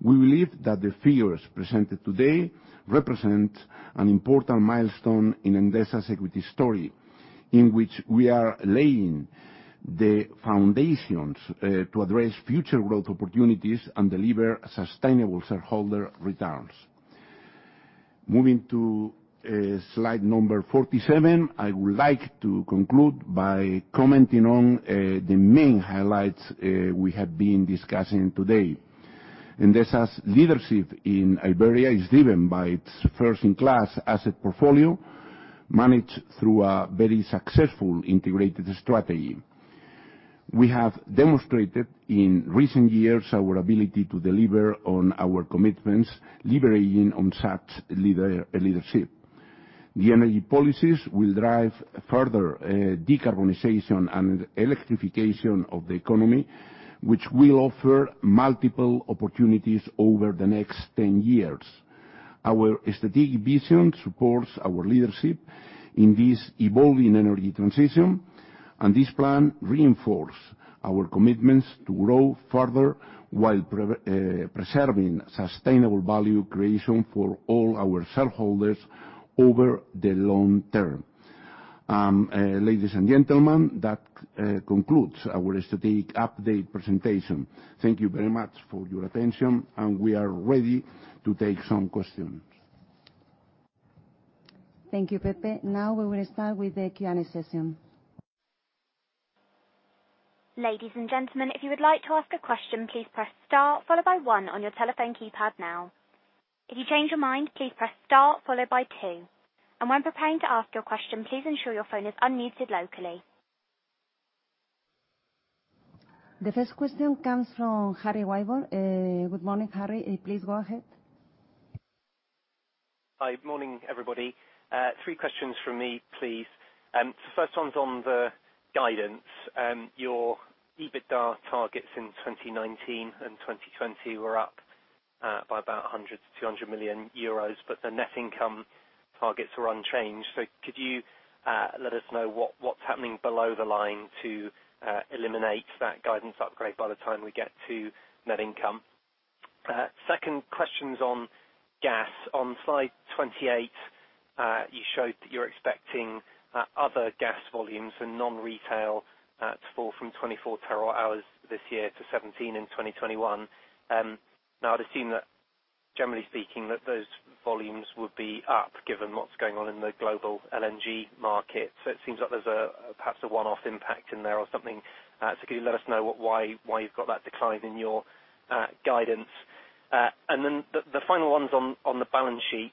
We believe that the figures presented today represent an important milestone in Endesa's equity story, in which we are laying the foundations to address future growth opportunities and deliver sustainable shareholder returns. Moving to slide number 47, I would like to conclude by commenting on the main highlights we have been discussing today. Endesa's leadership in Iberia is driven by its first-in-class asset portfolio managed through a very successful integrated strategy. We have demonstrated in recent years our ability to deliver on our commitments, leveraging such leadership. The energy policies will drive further decarbonization and electrification of the economy, which will offer multiple opportunities over the next 10 years. Our strategic vision supports our leadership in this evolving energy transition, and this plan reinforces our commitments to grow further while preserving sustainable value creation for all our shareholders over the long term. Ladies and gentlemen, that concludes our strategic update presentation. Thank you very much for your attention, and we are ready to take some questions. Thank you, Pepe. Now we will start with the Q&A session. Ladies and gentlemen, if you would like to ask a question, please press star followed by one on your telephone keypad now. If you change your mind, please press star followed by two. And when preparing to ask your question, please ensure your phone is unmuted locally. The first question comes from Harry Wyburd. Good morning, Harry. Please go ahead. Hi. Good morning, everybody. Three questions from me, please. The first one's on the guidance. Your EBITDA targets in 2019 and 2020 were up by about 100 million-200 million euros, but the net income targets are unchanged. Could you let us know what's happening below the line to eliminate that guidance upgrade by the time we get to net income? Second question's on gas. On slide 28, you showed that you're expecting other gas volumes and non-retail to fall from 24 terawatt-hours this year to 17 in 2021. Now, I'd assume, generally speaking, that those volumes would be up given what's going on in the global LNG market. So it seems like there's perhaps a one-off impact in there or something. So could you let us know why you've got that decline in your guidance? And then the final one's on the balance sheet.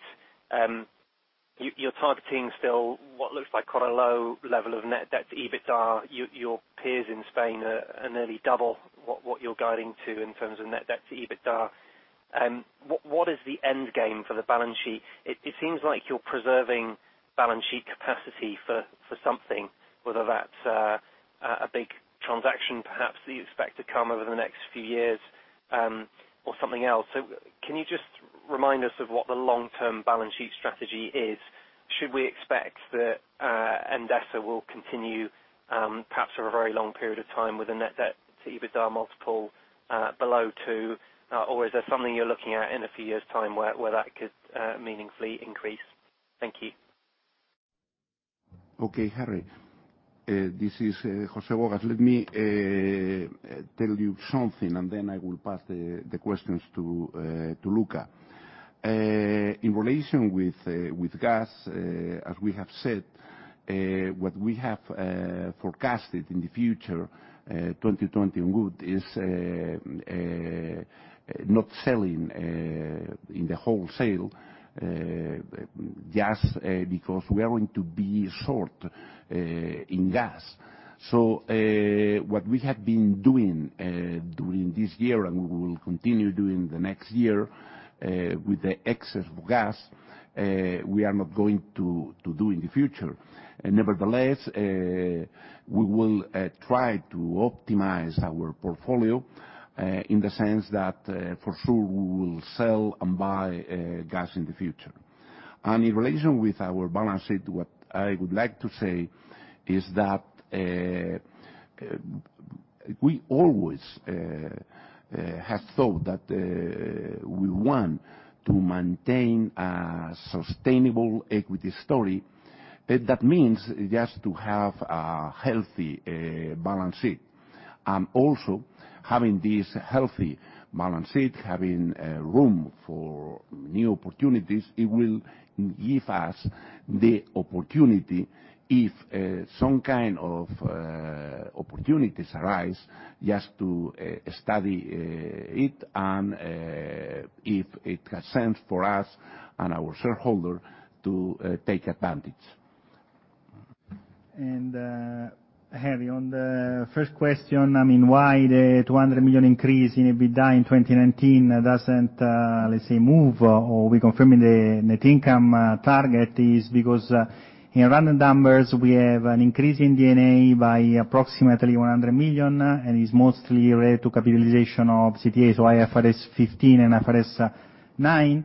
You're targeting still what looks like quite a low level of net debt to EBITDA. Your peers in Spain are nearly double what you're guiding to in terms of net debt to EBITDA. What is the end game for the balance sheet? It seems like you're preserving balance sheet capacity for something, whether that's a big transaction perhaps that you expect to come over the next few years or something else. So can you just remind us of what the long-term balance sheet strategy is? Should we expect that Endesa will continue perhaps for a very long period of time with a net debt to EBITDA multiple below 2, or is there something you're looking at in a few years' time where that could meaningfully increase? Thank you. Okay, Harry. This is José Bogas. Let me tell you something, and then I will pass the questions to Luca. In relation with gas, as we have said, what we have forecasted in the future, 2020 onward, is not selling in the wholesale just because we are going to be short in gas. So what we have been doing during this year and we will continue doing the next year with the excess of gas, we are not going to do in the future. Nevertheless, we will try to optimize our portfolio in the sense that, for sure, we will sell and buy gas in the future. And in relation with our balance sheet, what I would like to say is that we always have thought that we want to maintain a sustainable equity story. That means just to have a healthy balance sheet. And also, having this healthy balance sheet, having room for new opportunities, it will give us the opportunity if some kind of opportunities arise just to study it and if it has sense for us and our shareholder to take advantage. Harry, on the first question, I mean, why the 200 million increase in EBITDA in 2019 doesn't, let's say, move or we confirming the net income target is because in round numbers, we have an increase in D&A by approximately 100 million and is mostly related to capitalization of CTAs or IFRS 15 and IFRS 9,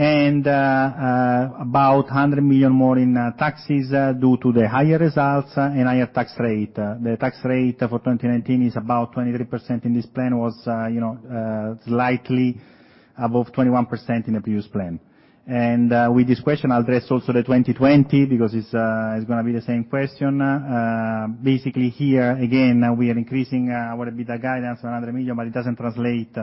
and about 100 million more in taxes due to the higher results and higher tax rate. The tax rate for 2019 is about 23% in this plan, was slightly above 21% in the previous plan. With this question, I'll address also the 2020 because it's going to be the same question. Basically, here, again, we are increasing our EBITDA guidance by 100 million, but it doesn't translate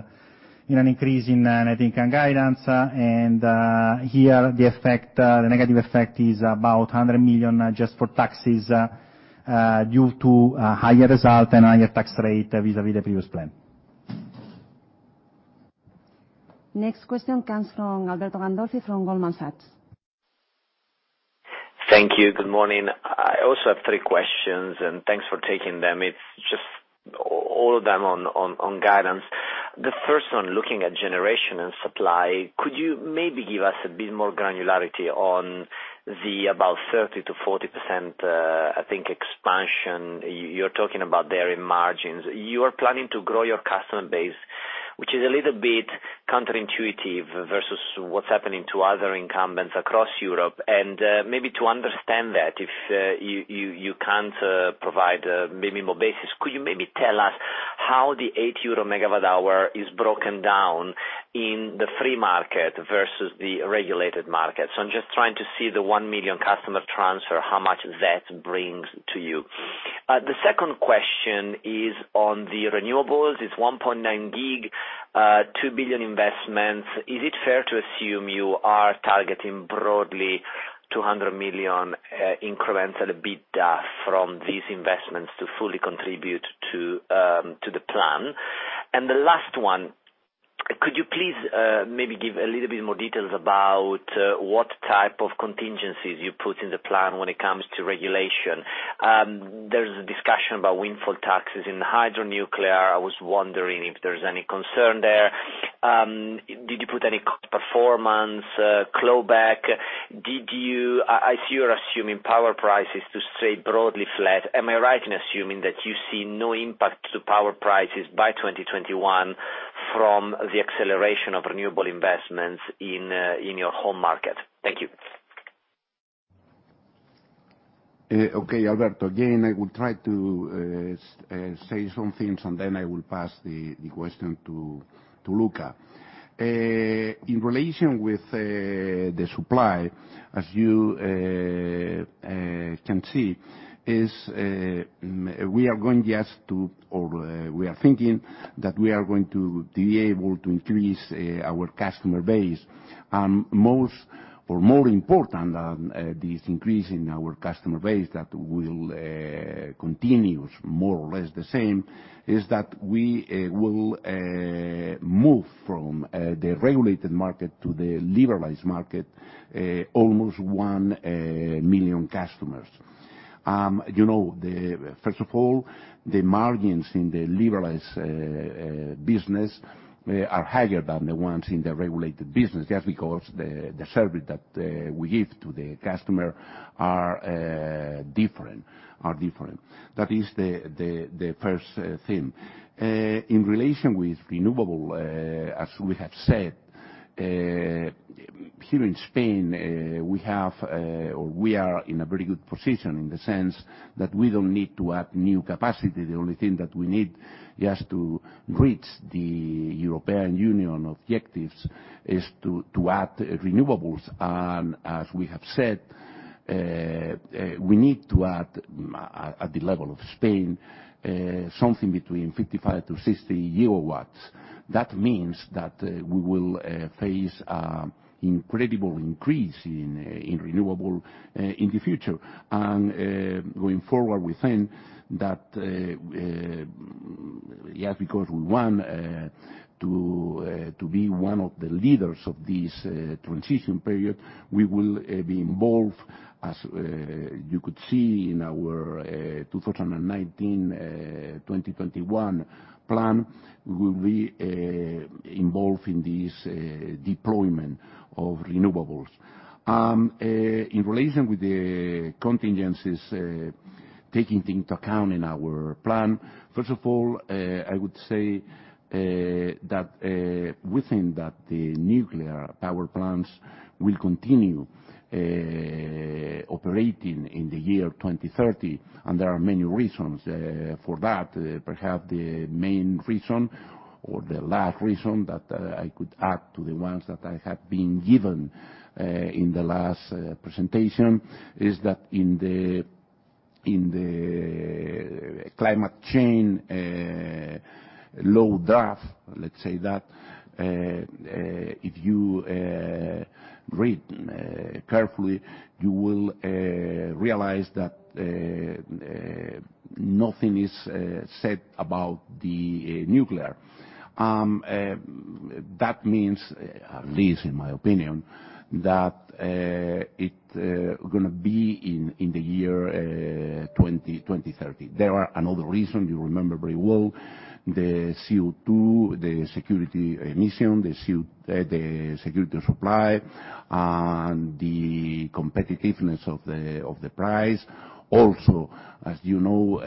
in an increase in net income guidance. Here, the negative effect is about 100 million just for taxes due to higher result and higher tax rate vis-à-vis the previous plan. Next question comes from Alberto Gandolfi from Goldman Sachs. Thank you. Good morning. I also have three questions, and thanks for taking them. It's just all of them on guidance. The first one, looking at generation and supply, could you maybe give us a bit more granularity on the about 30%-40%, I think, expansion you're talking about there in margins? You are planning to grow your customer base, which is a little bit counterintuitive versus what's happening to other incumbents across Europe. And maybe to understand that, if you can't provide maybe more basis, could you maybe tell us how the 8 euro megawatt-hour is broken down in the free market versus the regulated market? I'm just trying to see the 1 million customer transfer, how much that brings to you. The second question is on the renewables. It's 1.9 GW, 2 billion investments. Is it fair to assume you are targeting broadly 200 million increments at EBITDA from these investments to fully contribute to the plan? And the last one, could you please maybe give a little bit more details about what type of contingencies you put in the plan when it comes to regulation? There's a discussion about windfall taxes in hydro nuclear. I was wondering if there's any concern there. Did you put any cost performance clawback? I see you're assuming power prices to stay broadly flat. Am I right in assuming that you see no impact to power prices by 2021 from the acceleration of renewable investments in your home market? Thank you. Okay, Alberto. Again, I will try to say some things, and then I will pass the question to Luca. In relation with the supply, as you can see, we are going just to, or we are thinking that we are going to be able to increase our customer base. And more important than this increase in our customer base that will continue more or less the same is that we will move from the regulated market to the liberalized market, almost one million customers. First of all, the margins in the liberalized business are higher than the ones in the regulated business just because the service that we give to the customer are different. That is the first thing. In relation with renewable, as we have said, here in Spain, we have or we are in a very good position in the sense that we don't need to add new capacity. The only thing that we need just to reach the European Union objectives is to add renewables. As we have said, we need to add, at the level of Spain, something between 55-60 GW. That means that we will face an incredible increase in renewables in the future. Going forward, we think that just because we want to be one of the leaders of this transition period, we will be involved, as you could see in our 2019-2021 plan, we will be involved in this deployment of renewables. In relation with the contingencies taking into account in our plan, first of all, I would say that we think that the nuclear power plants will continue operating in the year 2030, and there are many reasons for that. Perhaps the main reason or the last reason that I could add to the ones that I have been given in the last presentation is that in the climate change law draft, let's say that if you read carefully, you will realize that nothing is said about the nuclear. That means, at least in my opinion, that it's going to be in the year 2030. There are another reason. You remember very well the CO2, the security emission, the security of supply, and the competitiveness of the price. Also, as you know,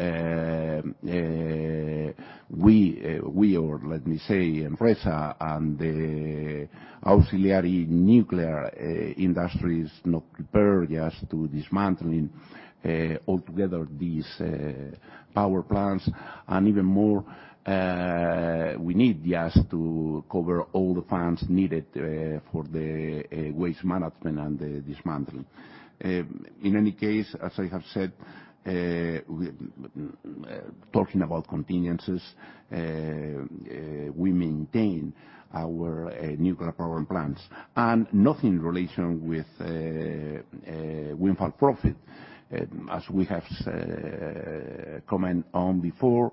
we or let me say Endesa and the auxiliary nuclear industries not prepared just to dismantling altogether these power plants. And even more, we need just to cover all the funds needed for the waste management and the dismantling. In any case, as I have said, talking about contingencies, we maintain our nuclear power plants. Nothing in relation with windfall profit, as we have commented on before.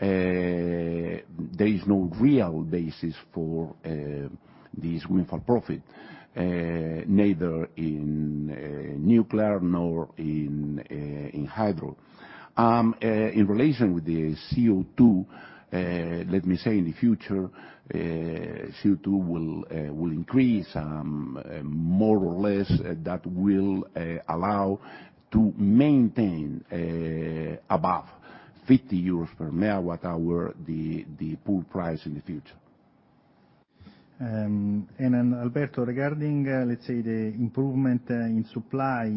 There is no real basis for these windfall profits, neither in nuclear nor in hydro. In relation with the CO2, let me say, in the future, CO2 will increase more or less, that will allow to maintain above 50 euros per megawatt-hour the pool price in the future. Alberto, regarding, let's say, the improvement in supply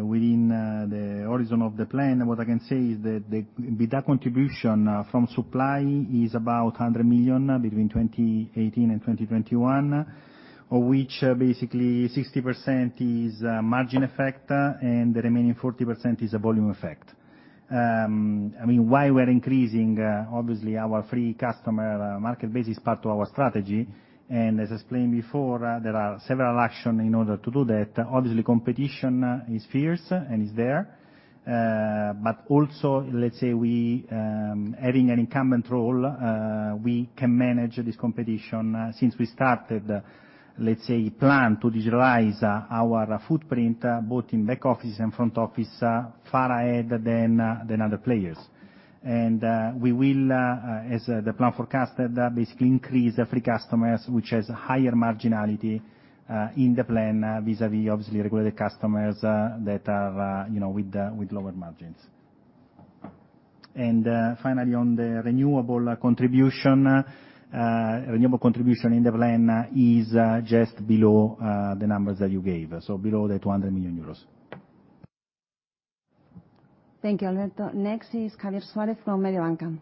within the horizon of the plan, what I can say is that the EBITDA contribution from supply is about 100 million between 2018 and 2021, of which basically 60% is margin effect and the remaining 40% is a volume effect. I mean, why we are increasing, obviously, our free customer market base is part of our strategy. And as explained before, there are several actions in order to do that. Obviously, competition is fierce and is there. But also, let's say, having an incumbent role, we can manage this competition since we started, let's say, plan to digitalize our footprint both in back office and front office far ahead than other players. And we will, as the plan forecasted, basically increase free customers, which has higher marginality in the plan vis-à-vis, obviously, regulated customers that are with lower margins. And finally, on the renewable contribution, renewable contribution in the plan is just below the numbers that you gave, so below the 200 million euros. Thank you, Alberto. Next is Javier Suárez from Mediobanca.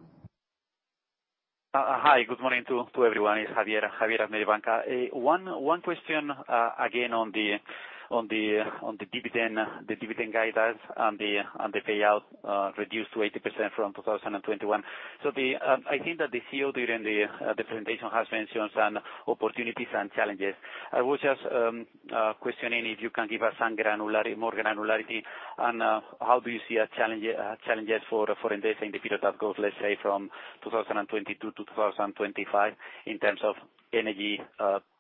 Hi. Good morning to everyone. It's Javier at Mediobanca. One question again on the dividend guidance and the payout reduced to 80% from 2021. So I think that the CEO during the presentation has mentioned some opportunities and challenges. I was just questioning if you can give us more granularity and how do you see challenges for Endesa in the period that goes, let's say, from 2022 to 2025 in terms of energy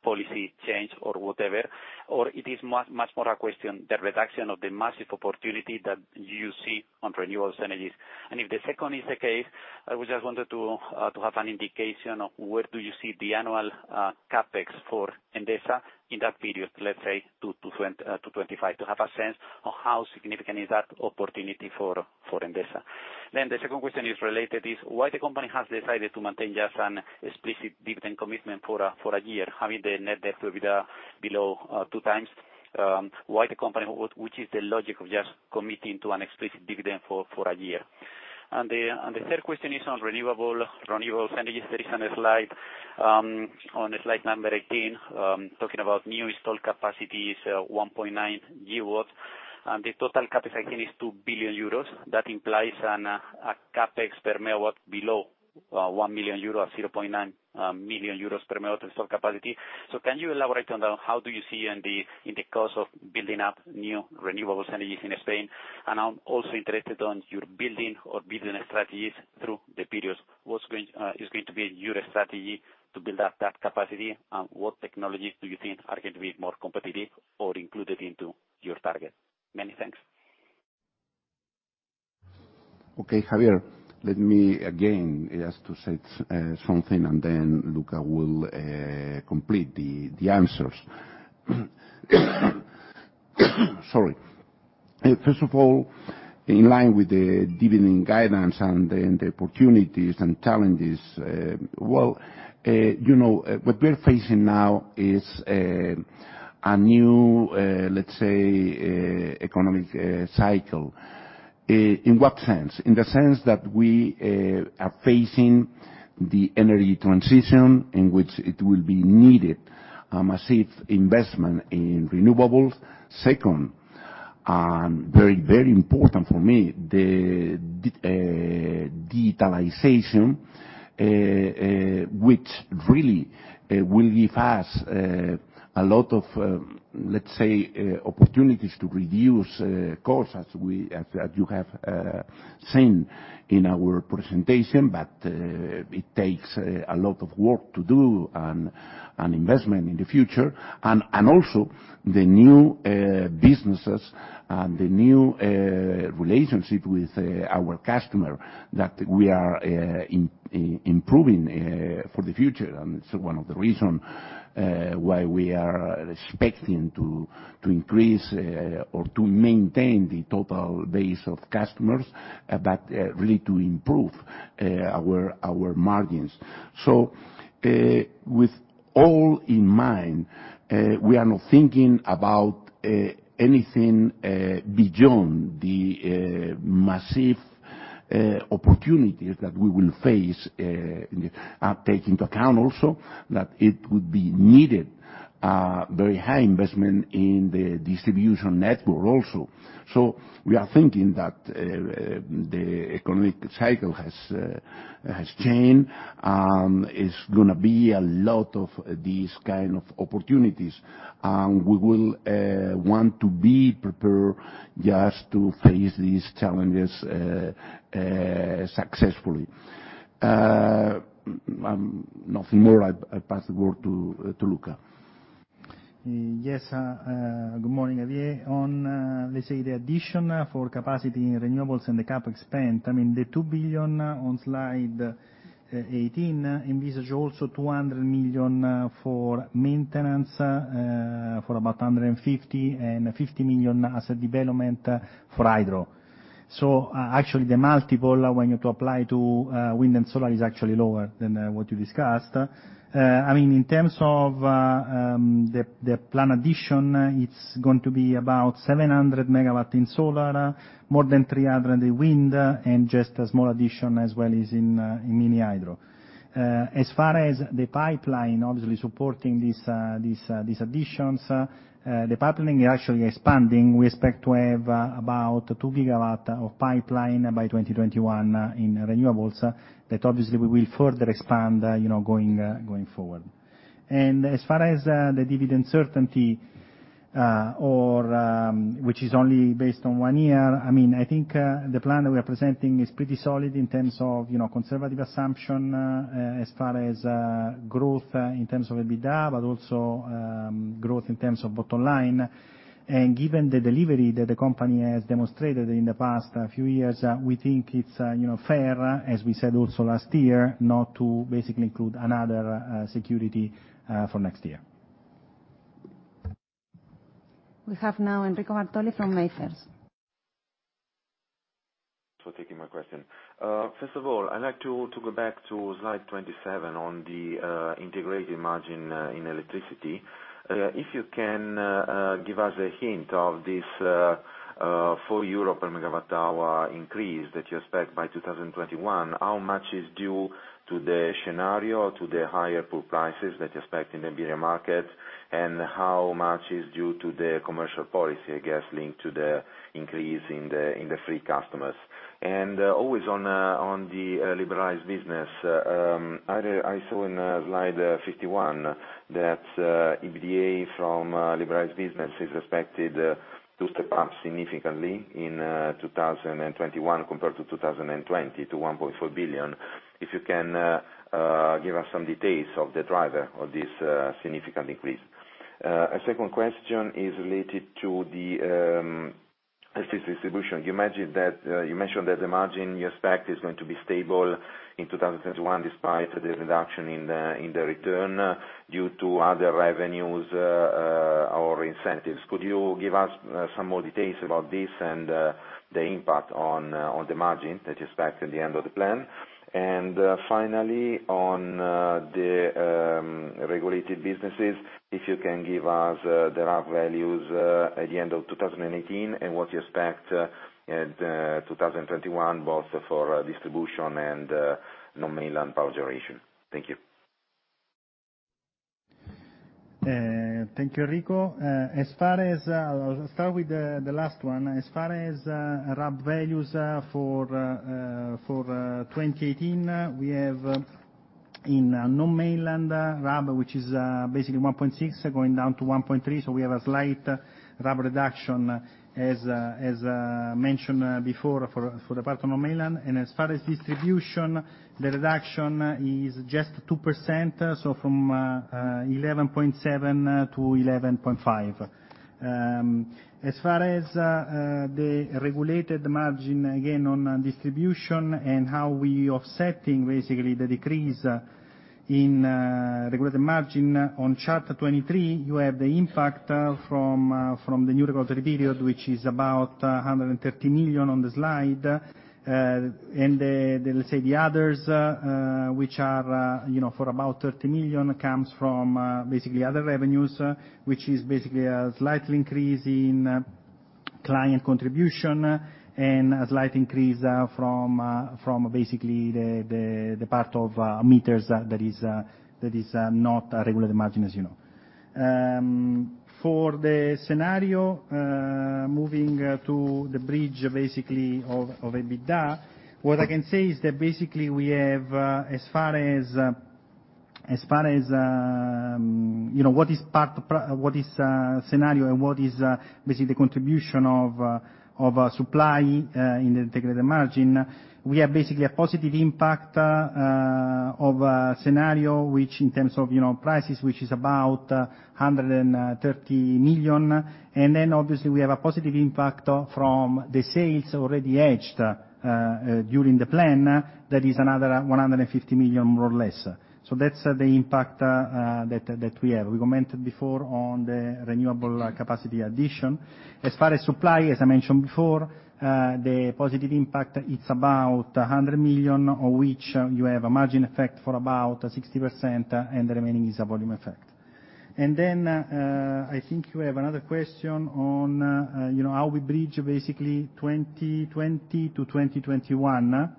policy change or whatever? Or it is much more a question the reduction of the massive opportunity that you see on renewables and energies. And if the second is the case, I would just want to have an indication of where do you see the annual CapEx for Endesa in that period, let's say, to 2025, to have a sense of how significant is that opportunity for Endesa? Then the second question is related is why the company has decided to maintain just an explicit dividend commitment for a year, having the net debt to EBITDA below two times. Why the company, which is the logic of just committing to an explicit dividend for a year? The third question is on renewables. Renewables energy, there is a slide on Slide 18 talking about new installed capacities, 1.9 GW. The total CapEx I think is 2 billion euros. That implies a CapEx per megawatt below one million euro, 0.9 million euros per megawatt installed capacity. Can you elaborate on how do you see in the cost of building up new renewables energies in Spain? I'm also interested on your building or business strategies through the periods. What is going to be your strategy to build up that capacity? What technologies do you think are going to be more competitive or included into your target? Many thanks. Okay, Javier, let me again just to say something, and then Luca will complete the answers. Sorry. First of all, in line with the dividend guidance and then the opportunities and challenges, well, what we're facing now is a new, let's say, economic cycle. In what sense? In the sense that we are facing the energy transition in which it will be needed a massive investment in renewables. Second, and very, very important for me, the digitalization, which really will give us a lot of, let's say, opportunities to reduce costs, as you have seen in our presentation, but it takes a lot of work to do and investment in the future. And also the new businesses and the new relationship with our customer that we are improving for the future. And it's one of the reasons why we are expecting to increase or to maintain the total base of customers, but really to improve our margins. With all in mind, we are not thinking about anything beyond the massive opportunities that we will face. Take into account also that it would be needed very high investment in the distribution network also. We are thinking that the economic cycle has changed and it's going to be a lot of these kind of opportunities. We will want to be prepared just to face these challenges successfully. Nothing more. I pass the word to Luca. Yes. Good morning, Javier. On, let's say, the addition for capacity in renewables and the CapEx spent, I mean, the 2 billion on slide 18 envisage also 200 million for maintenance for about 150 and 50 million as a development for hydro. So actually, the multiple when you apply to wind and solar is actually lower than what you discussed. I mean, in terms of the plan addition, it's going to be about 700 MW in solar, more than 300 in wind, and just a small addition as well as in mini hydro. As far as the pipeline, obviously supporting these additions, the pipeline is actually expanding. We expect to have about 2 GW of pipeline by 2021 in renewables that obviously we will further expand going forward. And as far as the dividend certainty, which is only based on one year, I mean, I think the plan that we are presenting is pretty solid in terms of conservative assumption as far as growth in terms of EBITDA, but also growth in terms of bottom line. And given the delivery that the company has demonstrated in the past few years, we think it's fair, as we said also last year, not to basically include another security for next year. We have now Enrico Bartoli from MainFirst. For taking my question. First of all, I'd like to go back to slide 27 on the integrated margin in electricity. If you can give us a hint of this 4 euros per megawatt-hour increase that you expect by 2021, how much is due to the scenario, to the higher power prices that you expect in the Iberian market, and how much is due to the commercial policy, I guess, linked to the increase in the free customers? And always on the liberalized business, I saw in slide 51 that EBITDA from liberalized business is expected to step up significantly in 2021 compared to 2020 to 1.4 billion. If you can give us some details of the driver of this significant increase. A second question is related to the distribution. You mentioned that the margin you expect is going to be stable in 2021 despite the reduction in the return due to other revenues or incentives. Could you give us some more details about this and the impact on the margin that you expect at the end of the plan? And finally, on the regulated businesses, if you can give us the RAB values at the end of 2018 and what you expect in 2021 both for distribution and non-mainland power generation. Thank you. Thank you, Enrico. As far as I'll start with the last one. As far as RAB values for 2018, we have in non-mainland RAB, which is basically 1.6 going down to 1.3. So we have a slight RAB reduction, as mentioned before, for the part of non-mainland. And as far as distribution, the reduction is just 2%, so from 11.7 to 11.5. As far as the regulated margin, again, on distribution and how we are offsetting basically the decrease in regulated margin on chart 23, you have the impact from the new regulatory period, which is about 130 million on the slide, and let's say the others, which are for about 30 million, comes from basically other revenues, which is basically a slight increase in client contribution and a slight increase from basically the part of meters that is not a regulated margin, as you know. For the scenario, moving to the bridge basically of EBITDA, what I can say is that basically we have, as far as what is scenario and what is basically the contribution of supply in the integrated margin, we have basically a positive impact of a scenario, which in terms of prices, which is about 130 million. And then obviously we have a positive impact from the sales already achieved during the plan that is another 150 million more or less. So that's the impact that we have. We commented before on the renewable capacity addition. As far as supply, as I mentioned before, the positive impact, it's about 100 million, of which you have a margin effect for about 60%, and the remaining is a volume effect. And then I think you have another question on how we bridge basically 2020 to 2021.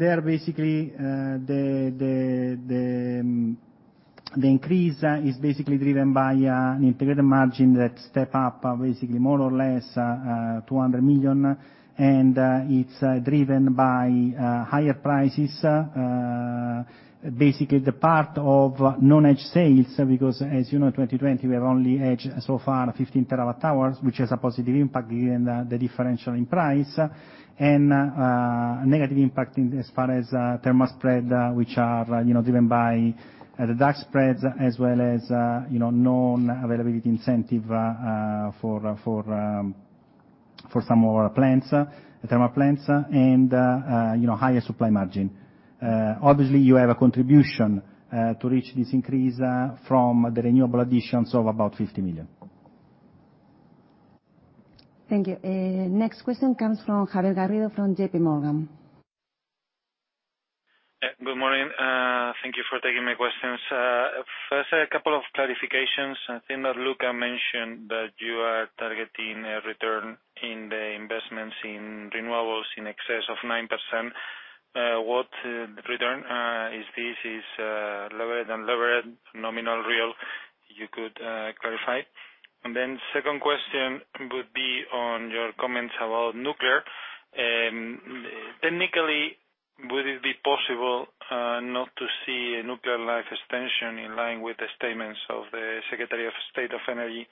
There basically the increase is basically driven by an integrated margin that steps up basically more or less 200 million, and it's driven by higher prices, basically the part of non-hedged sales, because as you know, 2020, we have only hedged so far 15 terawatt hours, which has a positive impact given the differential in price and negative impact as far as thermal spreads, which are driven by the dark spreads as well as non-availability incentive for some of our plants, thermal plants, and higher supply margin. Obviously, you have a contribution to reach this increase from the renewable additions of about 50 million. Thank you. Next question comes from Javier Garrido from JPMorgan. Good morning. Thank you for taking my questions. First, a couple of clarifications. I think that Luca mentioned that you are targeting a return in the investments in renewables in excess of 9%. What return is this? Is leverage and leverage, nominal real? You could clarify? And then the second question would be on your comments about nuclear. Technically, would it be possible not to see a nuclear life extension in line with the statements of the Secretary of State of Energy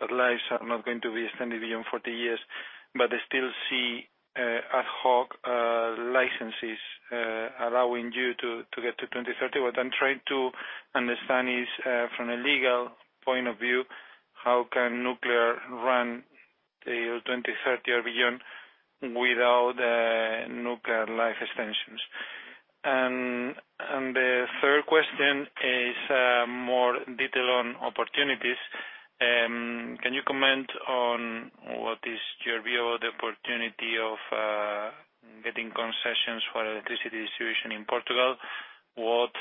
that lives are not going to be extended beyond 40 years, but still see ad hoc licenses allowing you to get to 2030? What I'm trying to understand is from a legal point of view, how can nuclear run till 2030 or beyond without nuclear life extensions? And the third question is more detailed on opportunities. Can you comment on what is your view of the opportunity of getting concessions for electricity distribution in Portugal? What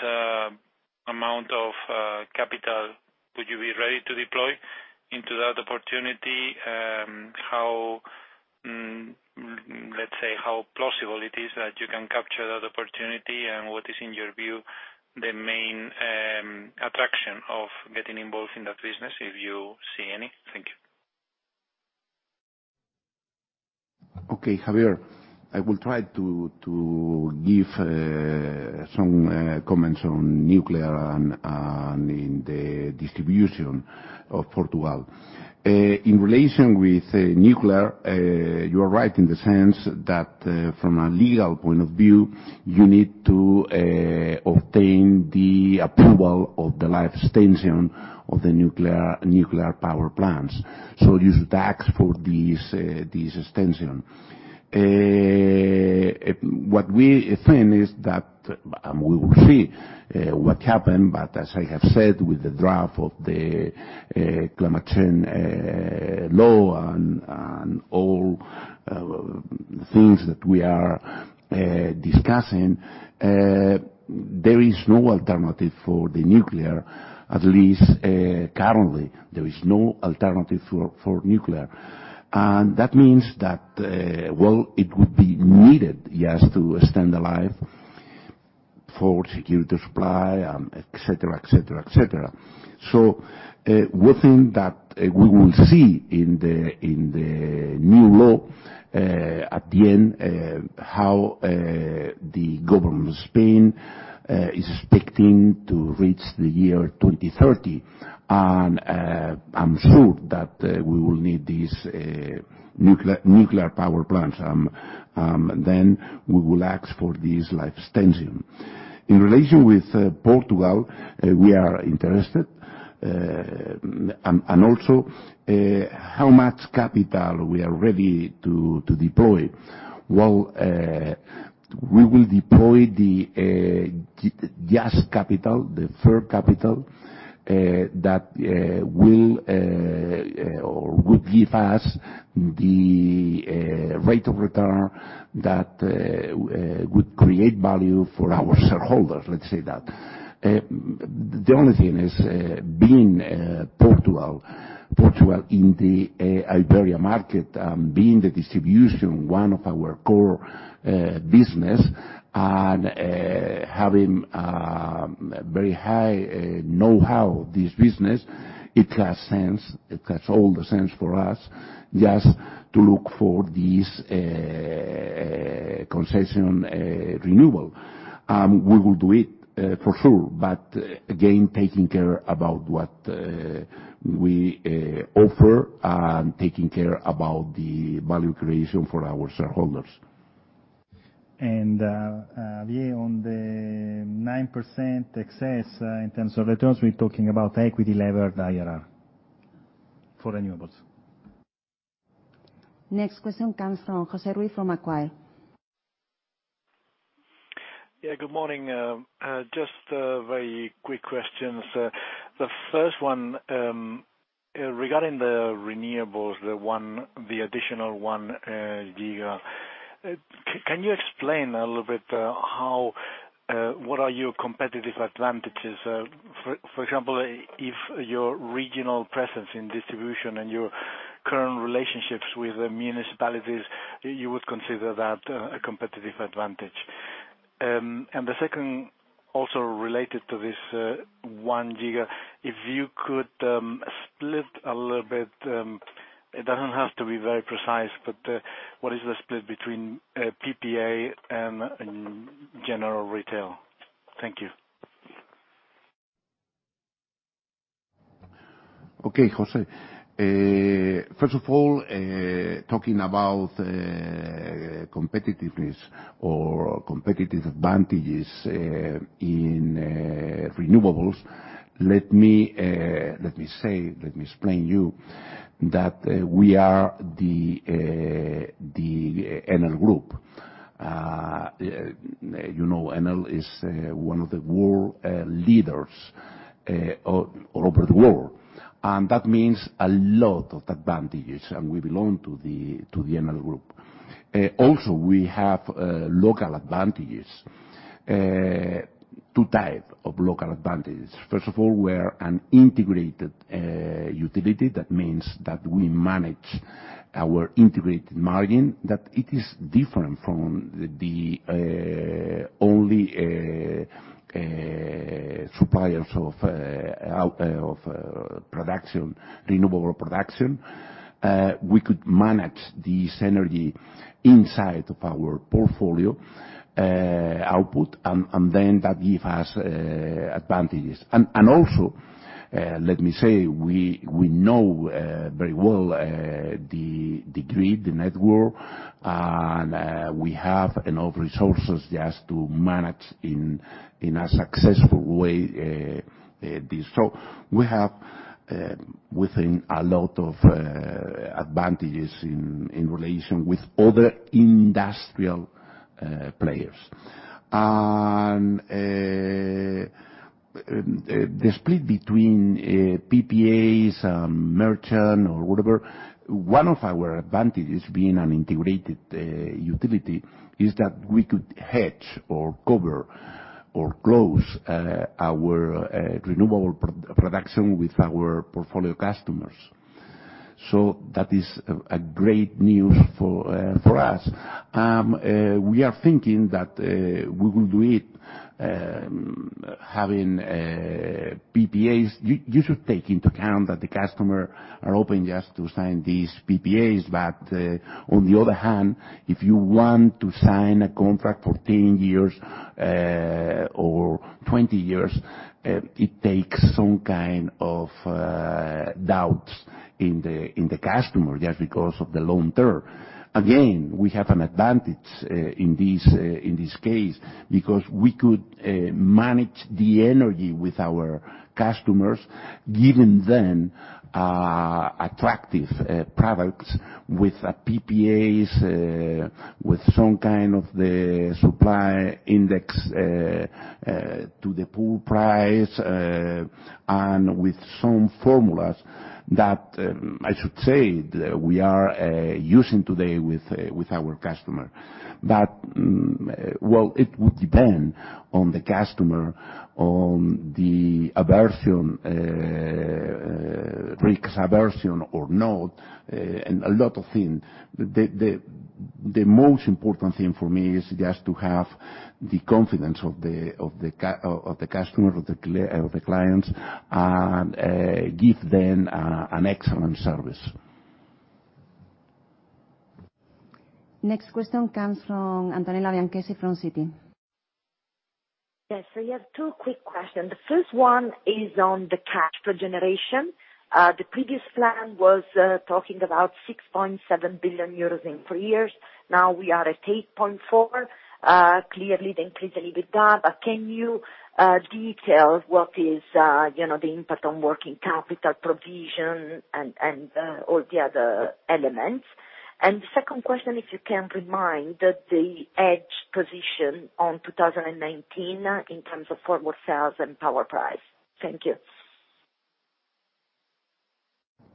amount of capital would you be ready to deploy into that opportunity? Let's say how plausible it is that you can capture that opportunity and what is, in your view, the main attraction of getting involved in that business, if you see any? Thank you. Okay, Javier, I will try to give some comments on nuclear and in the distribution of Portugal. In relation with nuclear, you are right in the sense that from a legal point of view, you need to obtain the approval of the life extension of the nuclear power plants. So you should ask for this extension. What we think is that we will see what happens, but as I have said with the draft of the climate change law and all things that we are discussing, there is no alternative for the nuclear, at least currently. There is no alternative for nuclear. And that means that, well, it would be needed just to extend the life for security supply, etc., etc., etc. So we think that we will see in the new law at the end how the government of Spain is expecting to reach the year 2030. And I'm sure that we will need these nuclear power plants. Then we will ask for this life extension. In relation with Portugal, we are interested. And also how much capital we are ready to deploy. Well, we will deploy just capital, the firm capital that will or would give us the rate of return that would create value for our shareholders, let's say that. The only thing is being Portugal, Portugal in the Iberia market, being the distribution, one of our core business, and having very high know-how of this business, it has sense, it has all the sense for us just to look for this concession renewal. We will do it for sure, but again, taking care about what we offer and taking care about the value creation for our shareholders. And on the 9% excess in terms of returns, we're talking about equity levered IRR for renewables. Next question comes from José Ruiz from Macquarie. Yeah, good morning. Just very quick questions. The first one regarding the renewables, the additional one giga, can you explain a little bit what are your competitive advantages? For example, if your regional presence in distribution and your current relationships with the municipalities, you would consider that a competitive advantage. And the second, also related to this one giga, if you could split a little bit, it doesn't have to be very precise, but what is the split between PPA and general retail? Thank you. Okay, José. First of all, talking about competitiveness or competitive advantages in renewables, let me say, let me explain to you that we are the Enel Group. Enel is one of the world leaders all over the world. And that means a lot of advantages, and we belong to the Enel Group. Also, we have local advantages, two types of local advantages. First of all, we are an integrated utility. That means that we manage our integrated margin, that it is different from the only suppliers of renewable production. We could manage this energy inside of our portfolio output, and then that gives us advantages. And also, let me say, we know very well the grid, the network, and we have enough resources just to manage in a successful way this. So we have within a lot of advantages in relation with other industrial players. And the split between PPAs and merchant or whatever, one of our advantages being an integrated utility is that we could hedge or cover or close our renewable production with our portfolio customers. So that is great news for us. We are thinking that we will do it having PPAs. You should take into account that the customer is open just to sign these PPAs, but on the other hand, if you want to sign a contract for 10 years or 20 years, it takes some kind of doubts in the customer just because of the long term. Again, we have an advantage in this case because we could manage the energy with our customers, giving them attractive products with PPAs, with some kind of the supply index to the power price, and with some formulas that I should say we are using today with our customer. It would depend on the customer, on the aversion, risk aversion or not, and a lot of things. The most important thing for me is just to have the confidence of the customer, of the clients, and give them an excellent service. Next question comes from Antonella Bianchessi from Citi. Yes, so we have two quick questions. The first one is on the cash for generation. The previous plan was talking about 6.7 billion euros in three years. Now we are at 8.4 billion. Clearly, they increased a little bit there. But can you detail what is the impact on working capital provision and all the other elements? And the second question, if you can remind the hedge position on 2019 in terms of forward sales and power price. Thank you.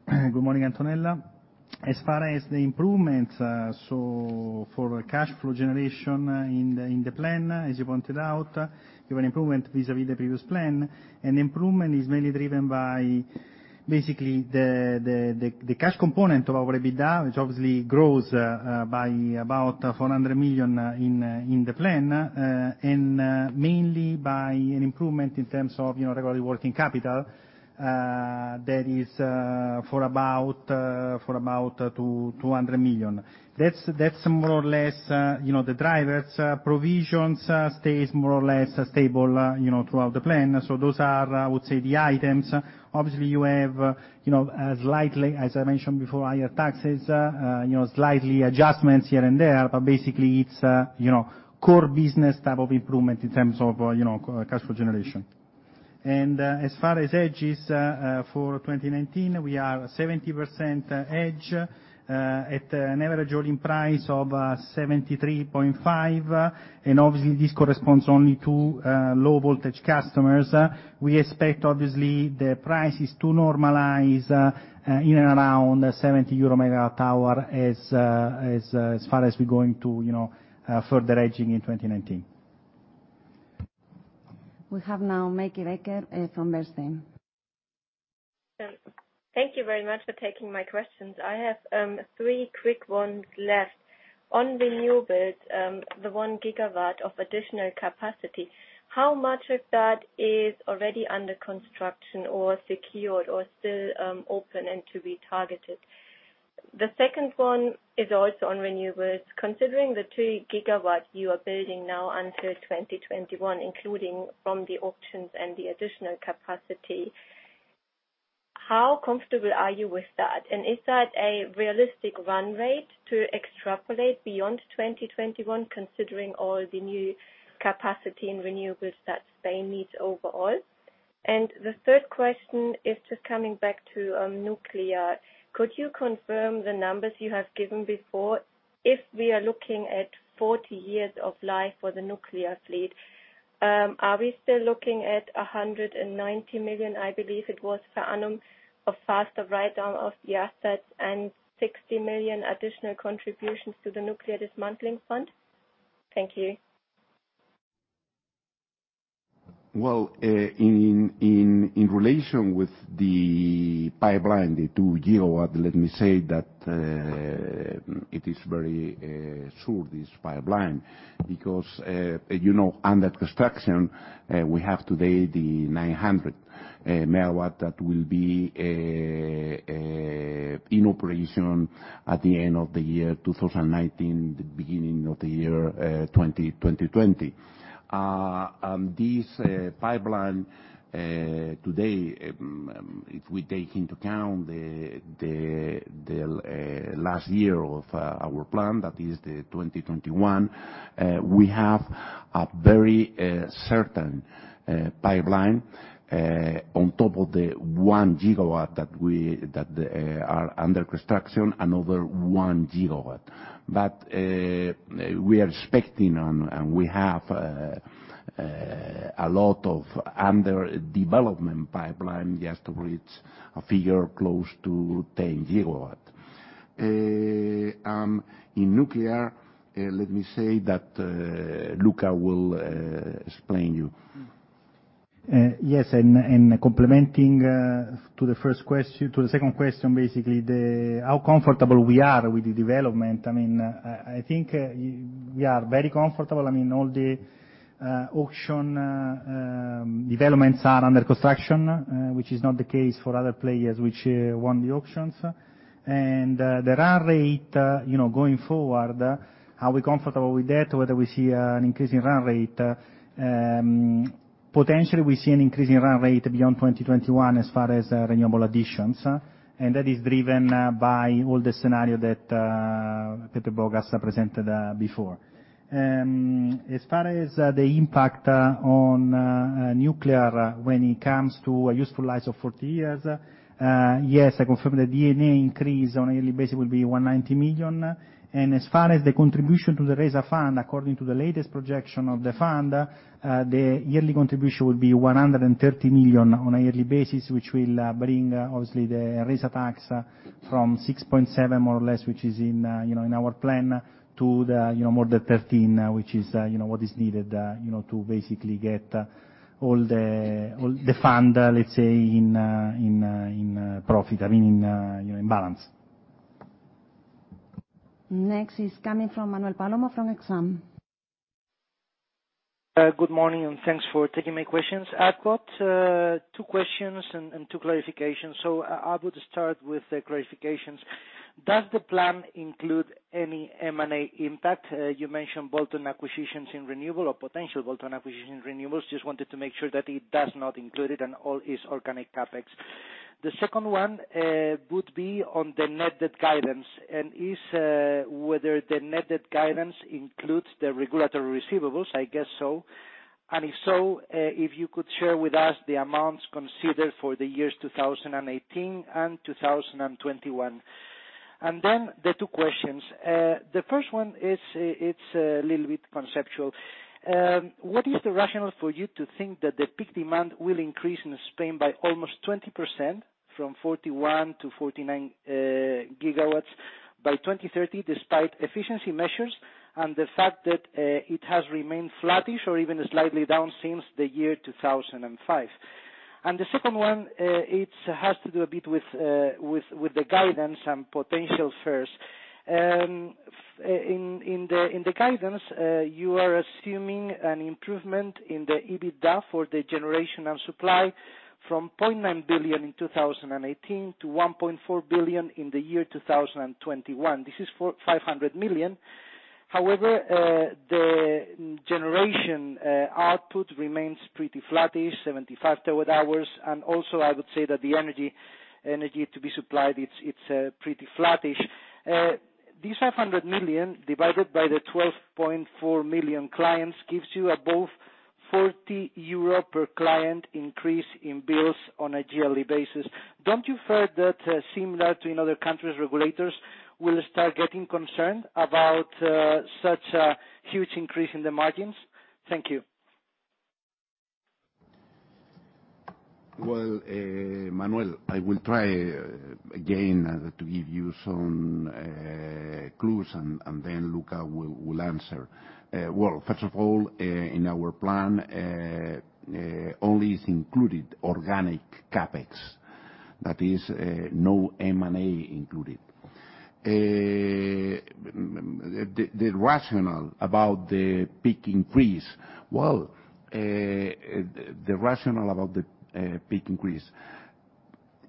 Good morning, Antonella. As far as the improvements for cash flow generation in the plan, as you pointed out, you have an improvement vis-à-vis the previous plan. And the improvement is mainly driven by basically the cash component of our EBITDA, which obviously grows by about 400 million in the plan, and mainly by an improvement in terms of regulatory working capital that is for about 200 million. That's more or less the drivers. Provisions stay more or less stable throughout the plan. So those are, I would say, the items. Obviously, you have slightly, as I mentioned before, higher taxes, slight adjustments here and there, but basically it's core business type of improvement in terms of cash flow generation. As far as hedges for 2019, we are 70% hedged at an average rolling price of 73.5 EUR/MWh. Obviously, this corresponds only to low-voltage customers. We expect, obviously, the prices to normalize in and around 70 EUR/MWh as far as we're going to further hedging in 2019. We have now Meike Becker from Bernstein. Thank you very much for taking my questions. I have three quick ones left. On renewables, the one gigawatt of additional capacity, how much of that is already under construction or secured or still open and to be targeted? The second one is also on renewables. Considering the two gigawatts you are building now until 2021, including from the auctions and the additional capacity, how comfortable are you with that? And is that a realistic run rate to extrapolate beyond 2021, considering all the new capacity and renewables that Spain needs overall? And the third question is just coming back to nuclear. Could you confirm the numbers you have given before? If we are looking at 40 years of life for the nuclear fleet, are we still looking at 190 million, I believe it was for Almaraz, of faster write-off of the assets and 60 million additional contributions to the nuclear dismantling fund? Thank you. In relation with the pipeline, the two gigawatts, let me say that it is very sure this pipeline because under construction, we have today the 900 MW that will be in operation at the end of the year 2019, the beginning of the year 2020. This pipeline today, if we take into account the last year of our plan, that is the 2021, we have a very certain pipeline on top of the one gigawatt that are under construction and over one gigawatt. But we are expecting and we have a lot of under development pipeline just to reach a figure close to 10 GW. In nuclear, let me say that Luca will explain you. Yes, and complementing to the second question, basically how comfortable we are with the development. I mean, I think we are very comfortable. I mean, all the auction developments are under construction, which is not the case for other players which won the auctions. The run rate, going forward, are we comfortable with that? Whether we see an increase in run rate. Potentially, we see an increase in run rate beyond 2021 as far as renewable additions. That is driven by all the scenarios that José Bogas presented before. As far as the impact on nuclear when it comes to a useful life of 40 years, yes, I confirm the D&A increase on a yearly basis will be 190 million. As far as the contribution to the Enresa fund, according to the latest projection of the fund, the yearly contribution will be 130 million on a yearly basis, which will bring, obviously, the Enresa tax from 6.7 more or less, which is in our plan, to more than 13, which is what is needed to basically get all the fund, let's say, in profit, I mean, in balance. Next is coming from Manuel Palomo from Exane. Good morning and thanks for taking my questions. I've got two questions and two clarifications. I would start with the clarifications. Does the plan include any M&A impact? You mentioned bolt-on acquisitions in renewable or potential bolt-on acquisitions in renewables. Just wanted to make sure that it does not include it and all is organic CapEx. The second one would be on the net debt guidance and is whether the net debt guidance includes the regulatory receivables. I guess so. And if so, if you could share with us the amounts considered for the years 2018 and 2021. And then the two questions. The first one is a little bit conceptual. What is the rationale for you to think that the peak demand will increase in Spain by almost 20% from 41 to 49 GW by 2030 despite efficiency measures and the fact that it has remained flattish or even slightly down since the year 2005? And the second one, it has to do a bit with the guidance and potential first. In the guidance, you are assuming an improvement in the EBITDA for the generation and supply from 0.9 billion in 2018 to 1.4 billion in the year 2021. This is 500 million. However, the generation output remains pretty flattish, 75 terawatt hours. And also, I would say that the energy to be supplied; it's pretty flattish. These 500 million divided by the 12.4 million clients gives you about 40 euro per client increase in bills on a yearly basis. Don't you fear that similar to in other countries, regulators will start getting concerned about such a huge increase in the margins? Thank you. Well, Manuel, I will try again to give you some clues and then Luca will answer. Well, first of all, in our plan, only is included organic CapEx. That is, no M&A included. The rationale about the price increase, well, the rationale about the price increase,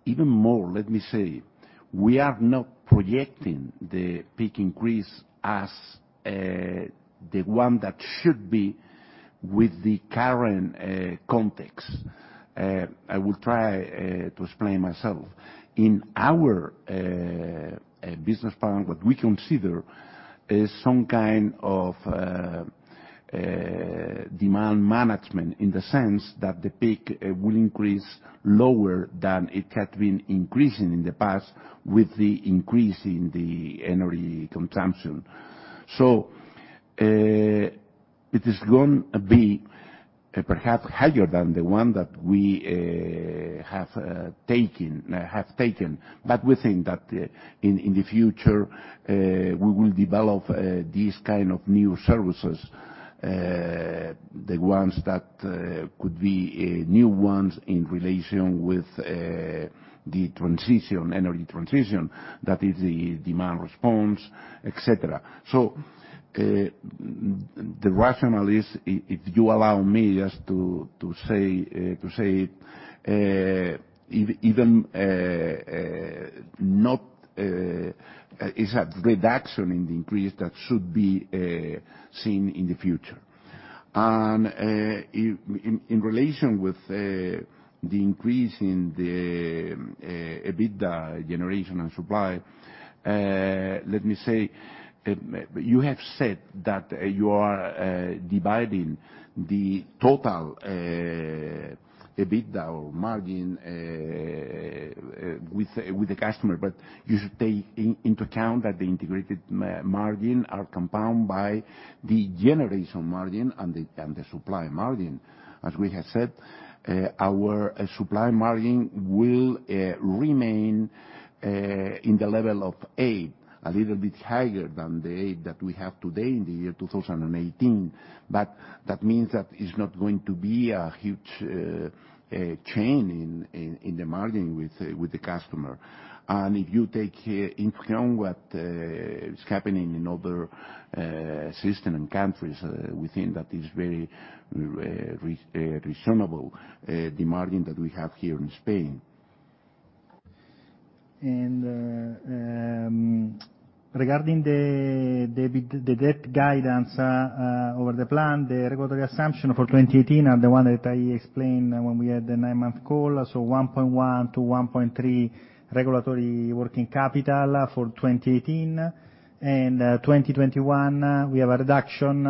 even more, let me say, we are not projecting the price increase as the one that should be with the current context. I will try to explain myself. In our business plan, what we consider is some kind of demand management in the sense that the peak will increase lower than it had been increasing in the past with the increase in the energy consumption. So it is going to be perhaps higher than the one that we have taken, but we think that in the future, we will develop these kind of new services, the ones that could be new ones in relation with the energy transition, that is, the demand response, etc. So the rationale is, if you allow me just to say, even not, it's a reduction in the increase that should be seen in the future. In relation with the increase in the EBITDA generation and supply, let me say, you have said that you are dividing the total EBITDA or margin with the customer, but you should take into account that the integrated margin are compound by the generation margin and the supply margin. As we have said, our supply margin will remain in the level of 8, a little bit higher than the 8 that we have today in the year 2018. But that means that it's not going to be a huge change in the margin with the customer. If you take into account what is happening in other system and countries, we think that it's very reasonable, the margin that we have here in Spain. Regarding the debt guidance over the plan, the regulatory assumption for 2018 and the one that I explained when we had the nine-month call, so 1.1-1.3 regulatory working capital for 2018. 2021, we have a reduction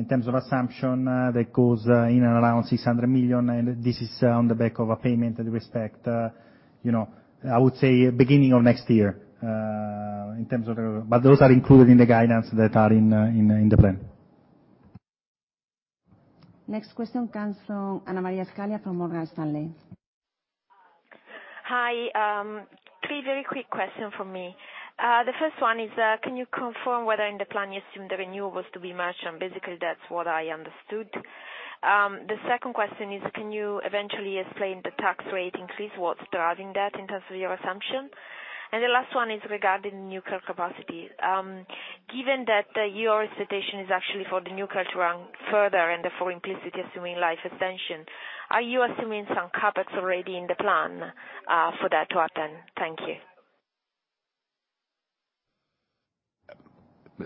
in terms of assumption that goes in and around 600 million, and this is on the back of a payment that we expect, I would say, beginning of next year in terms of the but those are included in the guidance that are in the plan. Next question comes from Anna Maria Scaglia from Morgan Stanley. Hi. Three very quick questions for me. The first one is, can you confirm whether in the plan you assume the renewables to be merged? And basically, that's what I understood. The second question is, can you eventually explain the tax rate increase, what's driving that in terms of your assumption? The last one is regarding the nuclear capacity. Given that your expectation is actually for the nuclear to run further and therefore implicitly assuming life extension, are you assuming some CapEx already in the plan for that to happen? Thank you.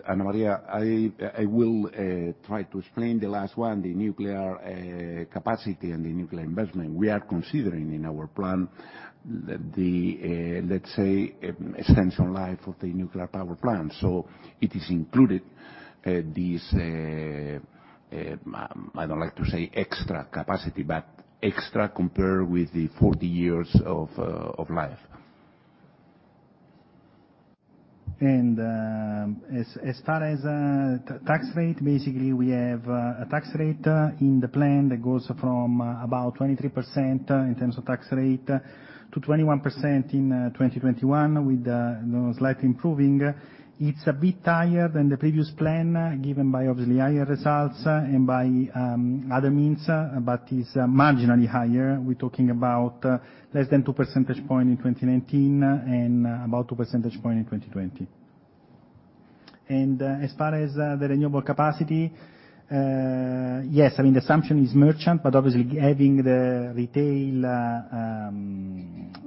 Ana María, I will try to explain the last one, the nuclear capacity and the nuclear investment. We are considering in our plan the, let's say, extension life of the nuclear power plant. So it is included this I don't like to say extra capacity, but extra compared with the 40 years of life. And as far as tax rate, basically, we have a tax rate in the plan that goes from about 23% in terms of tax rate to 21% in 2021 with slight improving. It's a bit higher than the previous plan given by, obviously, higher results and by other means, but it's marginally higher. We're talking about less than 2 percentage points in 2019 and about 2 percentage points in 2020. And as far as the renewable capacity, yes, I mean, the assumption is merchant, but obviously, having the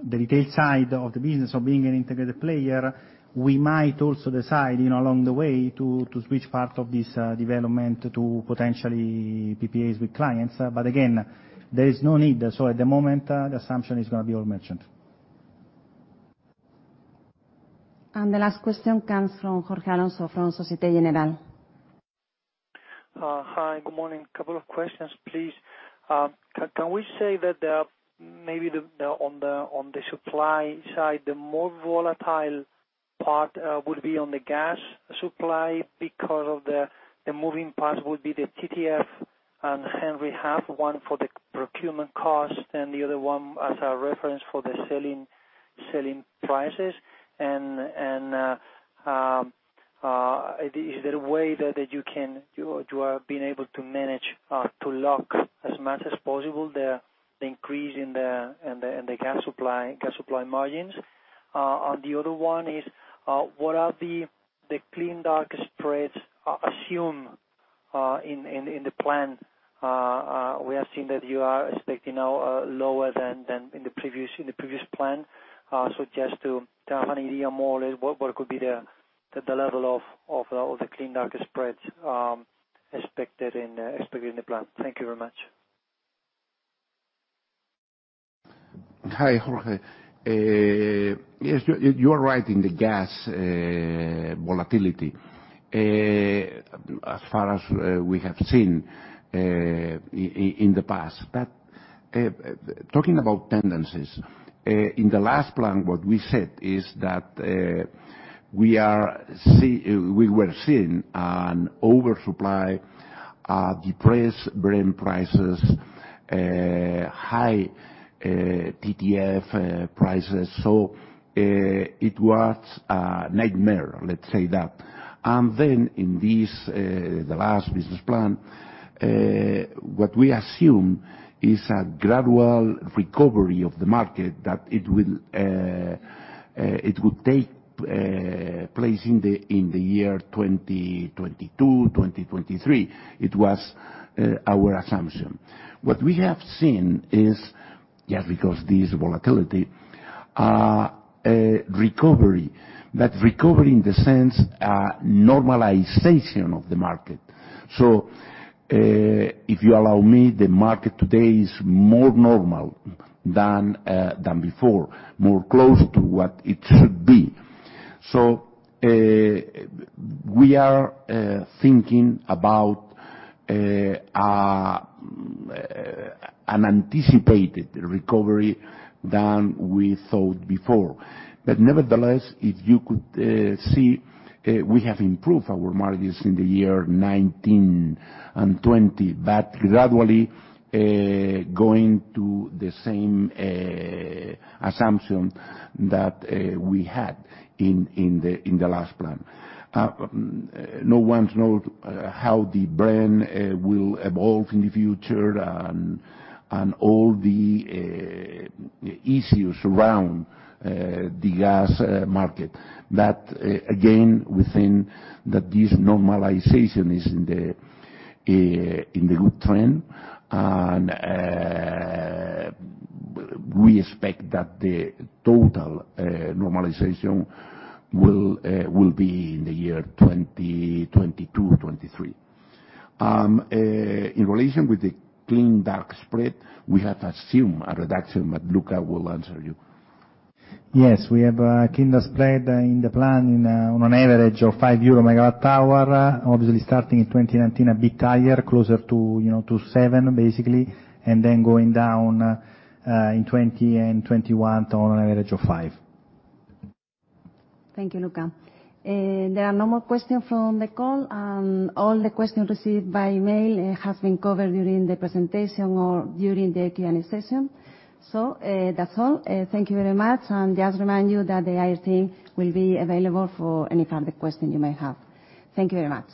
retail side of the business or being an integrated player, we might also decide along the way to switch part of this development to potentially PPAs with clients. But again, there is no need. So at the moment, the assumption is going to be all merchant. And the last question comes from Jorge Alonso from Société Générale. Hi, good morning. Couple of questions, please. Can we say that maybe on the supply side, the more volatile part would be on the gas supply because of the moving parts would be the TTF and Henry Hub for the procurement cost and the other one as a reference for the selling prices? And is there a way that you have been able to manage to lock as much as possible the increase in the gas supply margins? On the other hand, is what are the clean dark spreads assumed in the plan? We have seen that you are expecting now lower than in the previous plan. So just to have an idea more, what could be the level of the clean dark spreads expected in the plan? Thank you very much. Hi, Jorge. Yes, you are right in the gas volatility as far as we have seen in the past. Talking about tendencies, in the last plan, what we said is that we were seeing an oversupply, depressed Brent prices, high TTF prices. So it was a nightmare, let's say that. Then in the last business plan, what we assume is a gradual recovery of the market that it would take place in the year 2022, 2023. It was our assumption. What we have seen is, yes, because this volatility, recovery, but recovery in the sense normalization of the market. If you allow me, the market today is more normal than before, more close to what it should be. We are thinking about an anticipated recovery than we thought before. Nevertheless, if you could see, we have improved our margins in the year 2019 and 2020, but gradually going to the same assumption that we had in the last plan. No one knows how the burn will evolve in the future and all the issues around the gas market. Again, we think that this normalization is in the good trend. And we expect that the total normalization will be in the year 2022-2023. In relation with the clean dark spread, we have assumed a reduction, but Luca will answer you. Yes, we have clean dark spread in the plan on an average of 5 euro megawatt-hour, obviously starting in 2019, a bit higher, closer to 7 basically, and then going down in 2020 and 2021 on an average of 5. Thank you, Luca. There are no more questions from the call. And all the questions received by email have been covered during the presentation or during the Q&A session. So that's all. Thank you very much. And just remind you that the IR team will be available for any further questions you may have. Thank you very much.